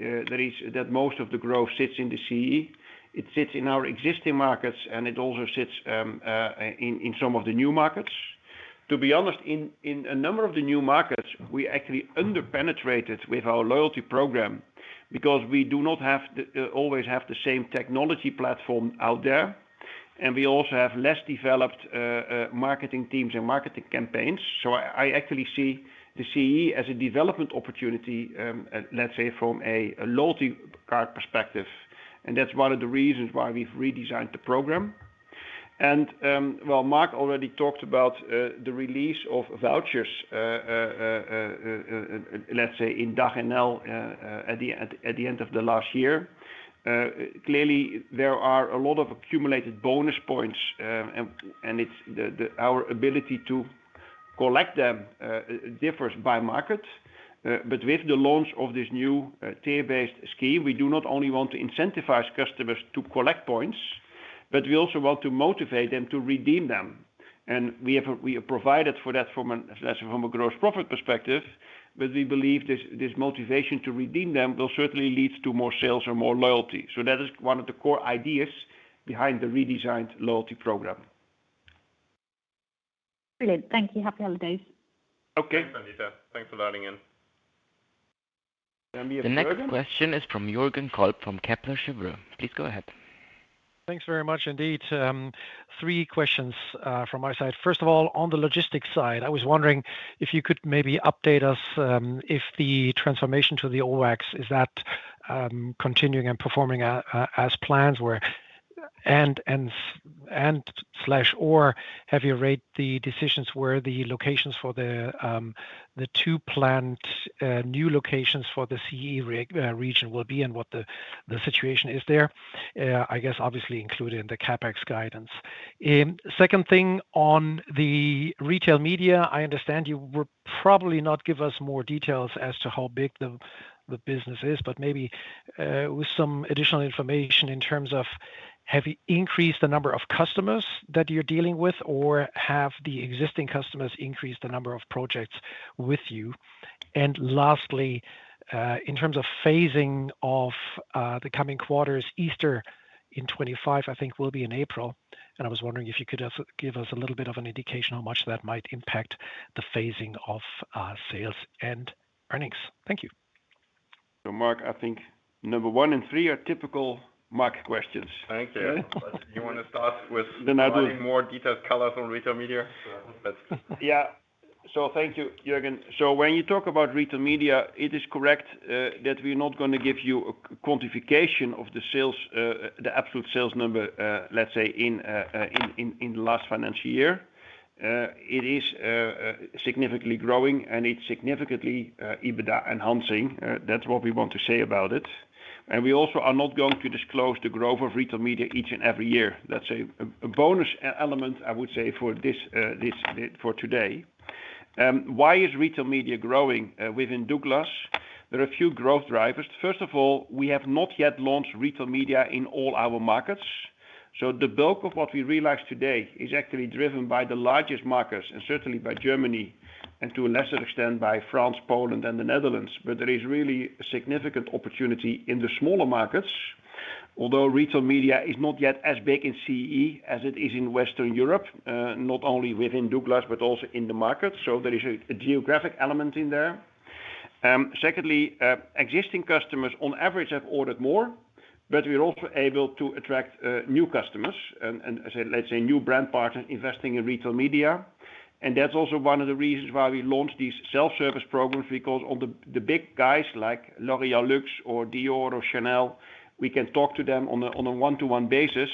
that most of the growth sits in the CEE. It sits in our existing markets, and it also sits in some of the new markets. To be honest, in a number of the new markets, we actually underpenetrated with our loyalty program because we do not always have the same technology platform out there, and we also have less developed marketing teams and marketing campaigns, so I actually see the CEE as a development opportunity, let's say, from a loyalty card perspective, and that's one of the reasons why we've redesigned the program, and well, Mark already talked about the release of vouchers, let's say, in DACH and NL at the end of the last year. Clearly, there are a lot of accumulated bonus points, and our ability to collect them differs by market, but with the launch of this new tier-based scheme, we do not only want to incentivize customers to collect points, but we also want to motivate them to redeem them. And we have provided for that from a gross profit perspective, but we believe this motivation to redeem them will certainly lead to more sales and more loyalty. So, that is one of the core ideas behind the redesigned loyalty program. Brilliant. Thank you. Happy holidays. Okay. Thanks, Vandita. Thanks for dialing in. The next question is from Jürgen Kolb from Kepler Cheuvreux. Please go ahead. Thanks very much, indeed. Three questions from my side. First of all, on the logistics side, I was wondering if you could maybe update us if the transformation to the OWC, is that continuing and performing as planned, and/or have you made the decisions where the locations for the two planned new locations for the CEE region will be and what the situation is there? I guess, obviously, included in the CapEx guidance. Second thing, on the Retail Media, I understand you will probably not give us more details as to how big the business is, but maybe with some additional information in terms of, have you increased the number of customers that you're dealing with, or have the existing customers increased the number of projects with you? And lastly, in terms of phasing of the coming quarters, Easter in 2025, I think, will be in April. And I was wondering if you could give us a little bit of an indication how much that might impact the phasing of sales and earnings. Thank you. So, Mark, I think number one and three are typical Mark questions. Thank you. You want to start with having more detailed colors on Retail Media? Yeah. So, thank you, Jürgen. So, when you talk about Retail Media, it is correct that we're not going to give you a quantification of the absolute sales number, let's say, in the last financial year. It is significantly growing, and it's significantly EBITDA enhancing. That's what we want to say about it. And we also are not going to disclose the growth of Retail Media each and every year. That's a bonus element, I would say, for today. Why is Retail Media growing within DOUGLAS? There are a few growth drivers. First of all, we have not yet launched Retail Media in all our markets. So, the bulk of what we realize today is actually driven by the largest markets, and certainly by Germany, and to a lesser extent by France, Poland, and the Netherlands. But there is really a significant opportunity in the smaller markets, although Retail Media is not yet as big in CEE as it is in Western Europe, not only within DOUGLAS, but also in the market. So, there is a geographic element in there. Secondly, existing customers on average have ordered more, but we're also able to attract new customers and, let's say, new brand partners investing in Retail Media. And that's also one of the reasons why we launched these self-service programs because on the big guys like L'Oréal Luxe or Dior or Chanel, we can talk to them on a one-to-one basis,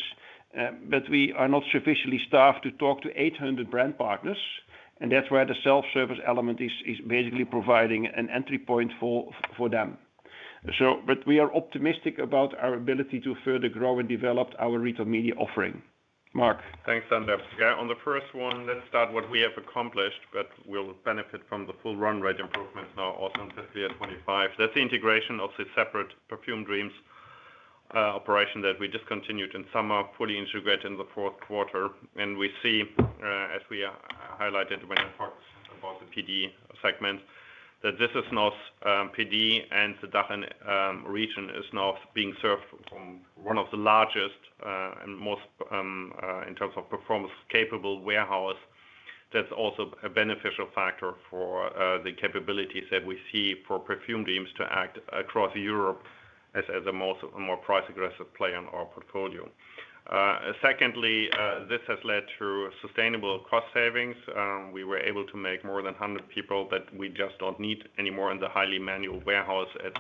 but we are not sufficiently staffed to talk to 800 brand partners. And that's where the self-service element is basically providing an entry point for them. But we are optimistic about our ability to further grow and develop our Retail Media offering. Mark. Thanks, Sander. Yeah, on the first one, let's start what we have accomplished, but we'll benefit from the full run rate improvements now also in fiscal year 2025. That's the integration of the separate parfumdreams operation that we just continued in summer, fully integrated in the fourth quarter, and we see, as we highlighted when I talked about the PD segment, that this is now PD, and the DACH NL region is now being served from one of the largest and most, in terms of performance, capable warehouse. That's also a beneficial factor for the capabilities that we see for parfumdreams to act across Europe as a more price-aggressive player in our portfolio. Secondly, this has led to sustainable cost savings. We were able to make more than 100 people that we just don't need anymore in the highly manual warehouse at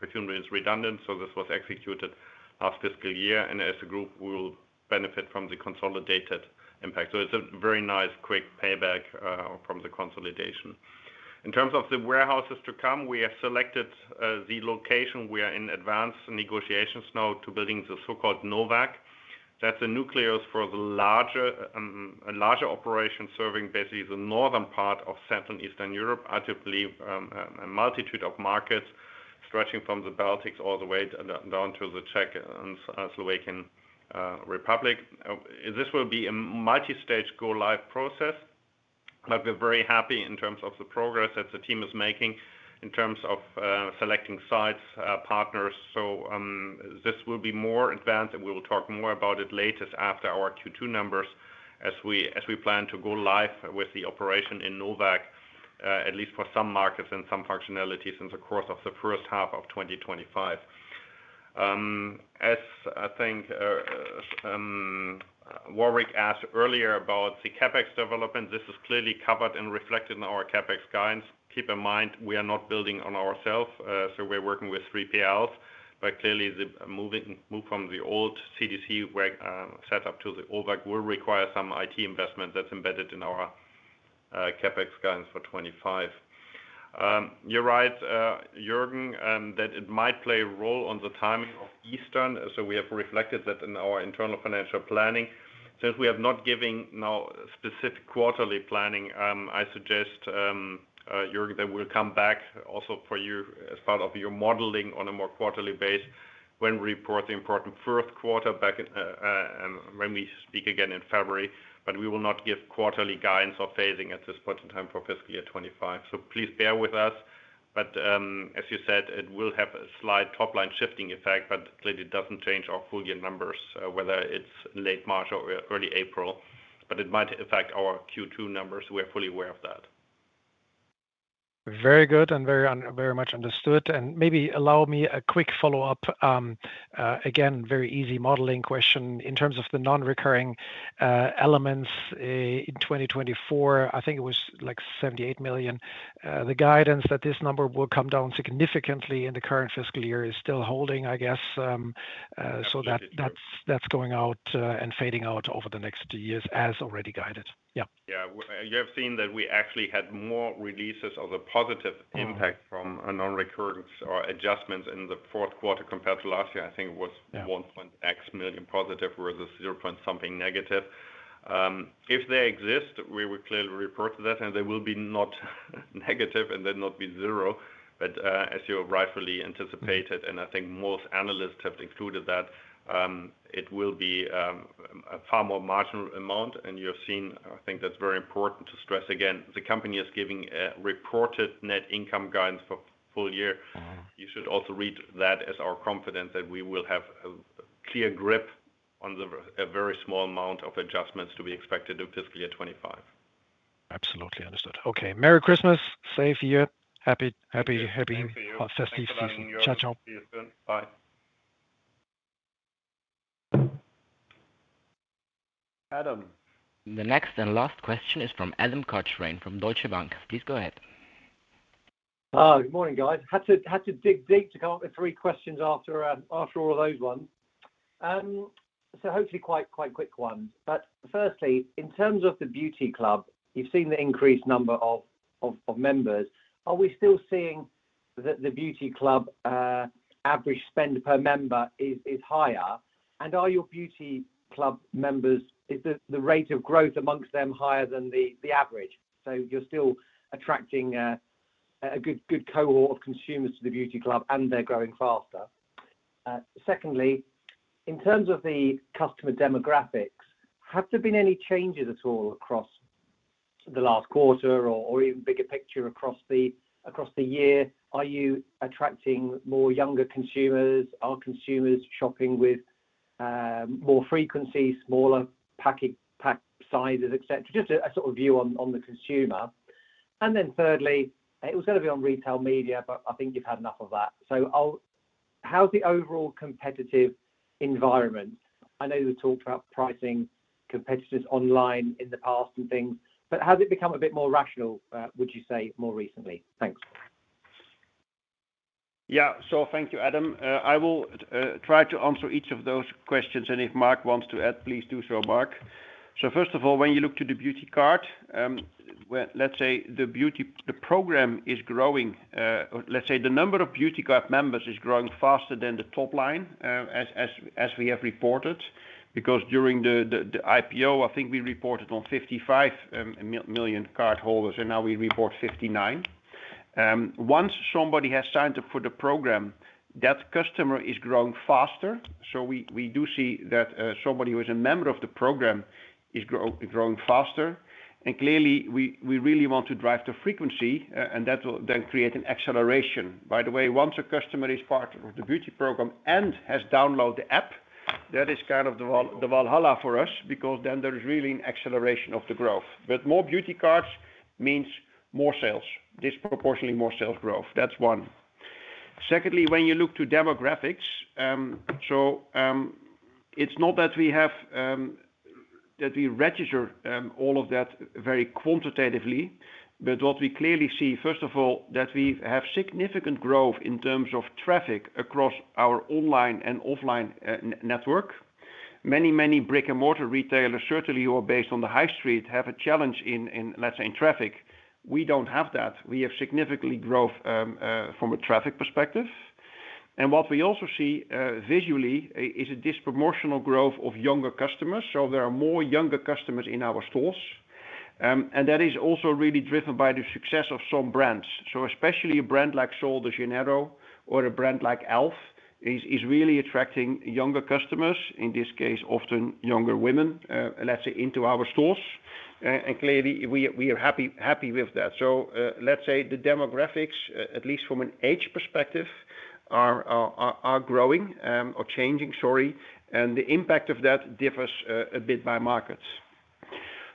parfumdreams redundant. This was executed last fiscal year. And as a group, we will benefit from the consolidated impact. It is a very nice quick payback from the consolidation. In terms of the warehouses to come, we have selected the location. We are in advanced negotiations now to building the so-called Nova. That is a nucleus for a larger operation serving basically the northern part of Central and Eastern Europe, arguably a multitude of markets stretching from the Baltics all the way down to the Czech and Slovak Republic. This will be a multi-stage go-live process, but we are very happy in terms of the progress that the team is making in terms of selecting sites, partners. This will be more advanced, and we will talk more about it latest after our Q2 numbers as we plan to go live with the operation in Nova, at least for some markets and some functionalities in the course of the first half of 2025. As I think Warwick asked earlier about the CapEx development, this is clearly covered and reflected in our CapEx guidance. Keep in mind, we are not building on ourselves. So, we're working with 3PLs. But clearly, the move from the old CDC setup to the OWC will require some IT investment that's embedded in our CapEx guidance for 2025. You're right, Jürgen, that it might play a role on the timing of Eastern. So, we have reflected that in our internal financial planning. Since we are not giving now specific quarterly planning, I suggest, Jürgen, that we'll come back also for you as part of your modeling on a more quarterly basis when we report the important fourth quarter back when we speak again in February. But we will not give quarterly guidance or phasing at this point in time for fiscal year 2025. So, please bear with us. But as you said, it will have a slight top-line shifting effect, but clearly, it doesn't change our full year numbers, whether it's late March or early April. But it might affect our Q2 numbers. We are fully aware of that. Very good and very much understood. And maybe allow me a quick follow-up. Again, very easy modeling question. In terms of the non-recurring elements in 2024, I think it was like 78 million. The guidance that this number will come down significantly in the current fiscal year is still holding, I guess. So, that's going out and fading out over the next two years as already guided. Yeah. Yeah. You have seen that we actually had more releases of the positive impact from non-recurrents or adjustments in the fourth quarter compared to last year. I think it was 1.X million positive versus zero point something negative. If they exist, we will clearly report that, and they will be not negative and then not be zero. But as you rightfully anticipated, and I think most analysts have included that, it will be a far more marginal amount, and you've seen, I think that's very important to stress again. The company is giving a reported net income guidance for full year. You should also read that as our confidence that we will have a clear grip on a very small amount of adjustments to be expected in fiscal year 2025. Absolutely understood. Okay. Merry Christmas. Safe year. Happy festive season. Ciao, ciao. See you soon. Bye. Adam. The next and last question is from Adam Cochrane from Deutsche Bank. Please go ahead. Good morning, guys. Had to dig deep to come up with three questions after all of those ones. So, hopefully, quite quick ones. But firstly, in terms of the Beauty Club, you've seen the increased number of members. Are we still seeing that the Beauty Club average spend per member is higher? And are your Beauty Club members the rate of growth amongst them higher than the average? So, you're still attracting a good cohort of consumers to the Beauty Club, and they're growing faster. Secondly, in terms of the customer demographics, have there been any changes at all across the last quarter or even bigger picture across the year? Are you attracting more younger consumers? Are consumers shopping with more frequency, smaller pack sizes, etc.? Just a sort of view on the consumer. And then thirdly, it was going to be on Retail Media, but I think you've had enough of that. So, how's the overall competitive environment? I know we've talked about pricing competitors online in the past and things, but has it become a bit more rational, would you say, more recently? Thanks. Yeah. So, thank you, Adam. I will try to answer each of those questions. And if Mark wants to add, please do so, Mark. First of all, when you look to the Beauty Card, let's say the program is growing. Let's say the number of Beauty Card members is growing faster than the top line as we have reported because during the IPO, I think we reported on 55 million cardholders, and now we report 59. Once somebody has signed up for the program, that customer is growing faster. We do see that somebody who is a member of the program is growing faster. Clearly, we really want to drive the frequency, and that will then create an acceleration. By the way, once a customer is part of the Beauty program and has downloaded the app, that is kind of the Valhalla for us because then there is really an acceleration of the growth. More Beauty Cards means more sales, disproportionately more sales growth. That's one. Secondly, when you look to demographics, so it's not that we register all of that very quantitatively, but what we clearly see, first of all, that we have significant growth in terms of traffic across our online and offline network. Many, many brick-and-mortar retailers, certainly who are based on the high street, have a challenge in, let's say, traffic. We don't have that. We have significantly grown from a traffic perspective. And what we also see visually is a disproportional growth of younger customers. So, there are more younger customers in our stores. And that is also really driven by the success of some brands. So, especially a brand like Sol de Janeiro or a brand like e.l.f. is really attracting younger customers, in this case, often younger women, let's say, into our stores. And clearly, we are happy with that. So, let's say the demographics, at least from an age perspective, are growing or changing, sorry. And the impact of that differs a bit by market.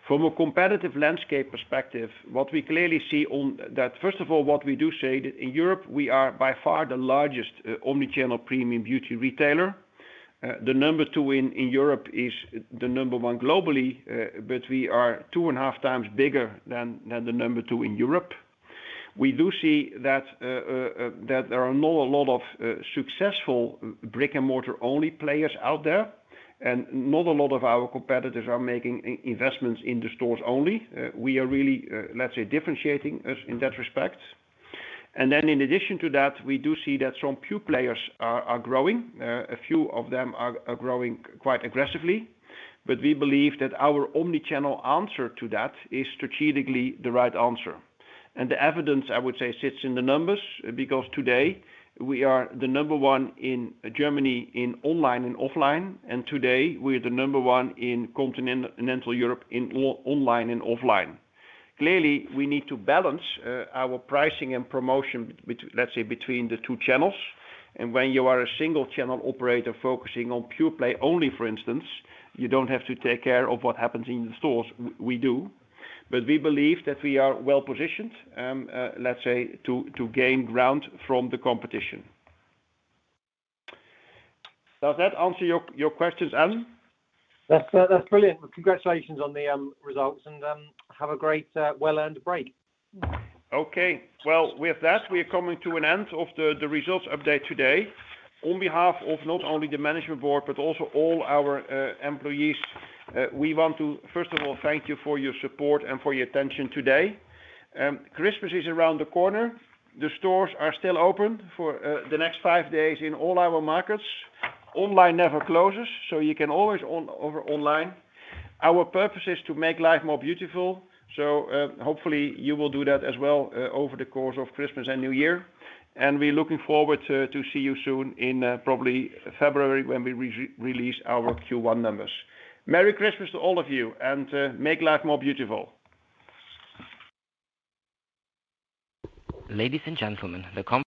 From a competitive landscape perspective, what we clearly see on that, first of all, what we do say that in Europe, we are by far the largest omnichannel premium beauty retailer. The number two in Europe is the number one globally, but we are two and a half times bigger than the number two in Europe. We do see that there are not a lot of successful brick-and-mortar-only players out there, and not a lot of our competitors are making investments in the stores only. We are really, let's say, differentiating us in that respect. And then, in addition to that, we do see that some pure players are growing. A few of them are growing quite aggressively. But we believe that our omnichannel answer to that is strategically the right answer. And the evidence, I would say, sits in the numbers because today, we are the number one in Germany in online and offline. And today, we are the number one in continental Europe in online and offline. Clearly, we need to balance our pricing and promotion, let's say, between the two channels. And when you are a single-channel operator focusing on pure play only, for instance, you don't have to take care of what happens in the stores. We do. But we believe that we are well positioned, let's say, to gain ground from the competition. Does that answer your questions, Adam? That's brilliant. Congratulations on the results, and have a great, well-earned break. Okay. Well, with that, we are coming to an end of the results update today. On behalf of not only the management board, but also all our employees, we want to, first of all, thank you for your support and for your attention today. Christmas is around the corner. The stores are still open for the next five days in all our markets. Online never closes, so you can always order online. Our purpose is to make life more beautiful. So, hopefully, you will do that as well over the course of Christmas and New Year. And we're looking forward to see you soon in probably February when we release our Q1 numbers. Merry Christmas to all of you, and make life more beautiful. Ladies and gentlemen, the.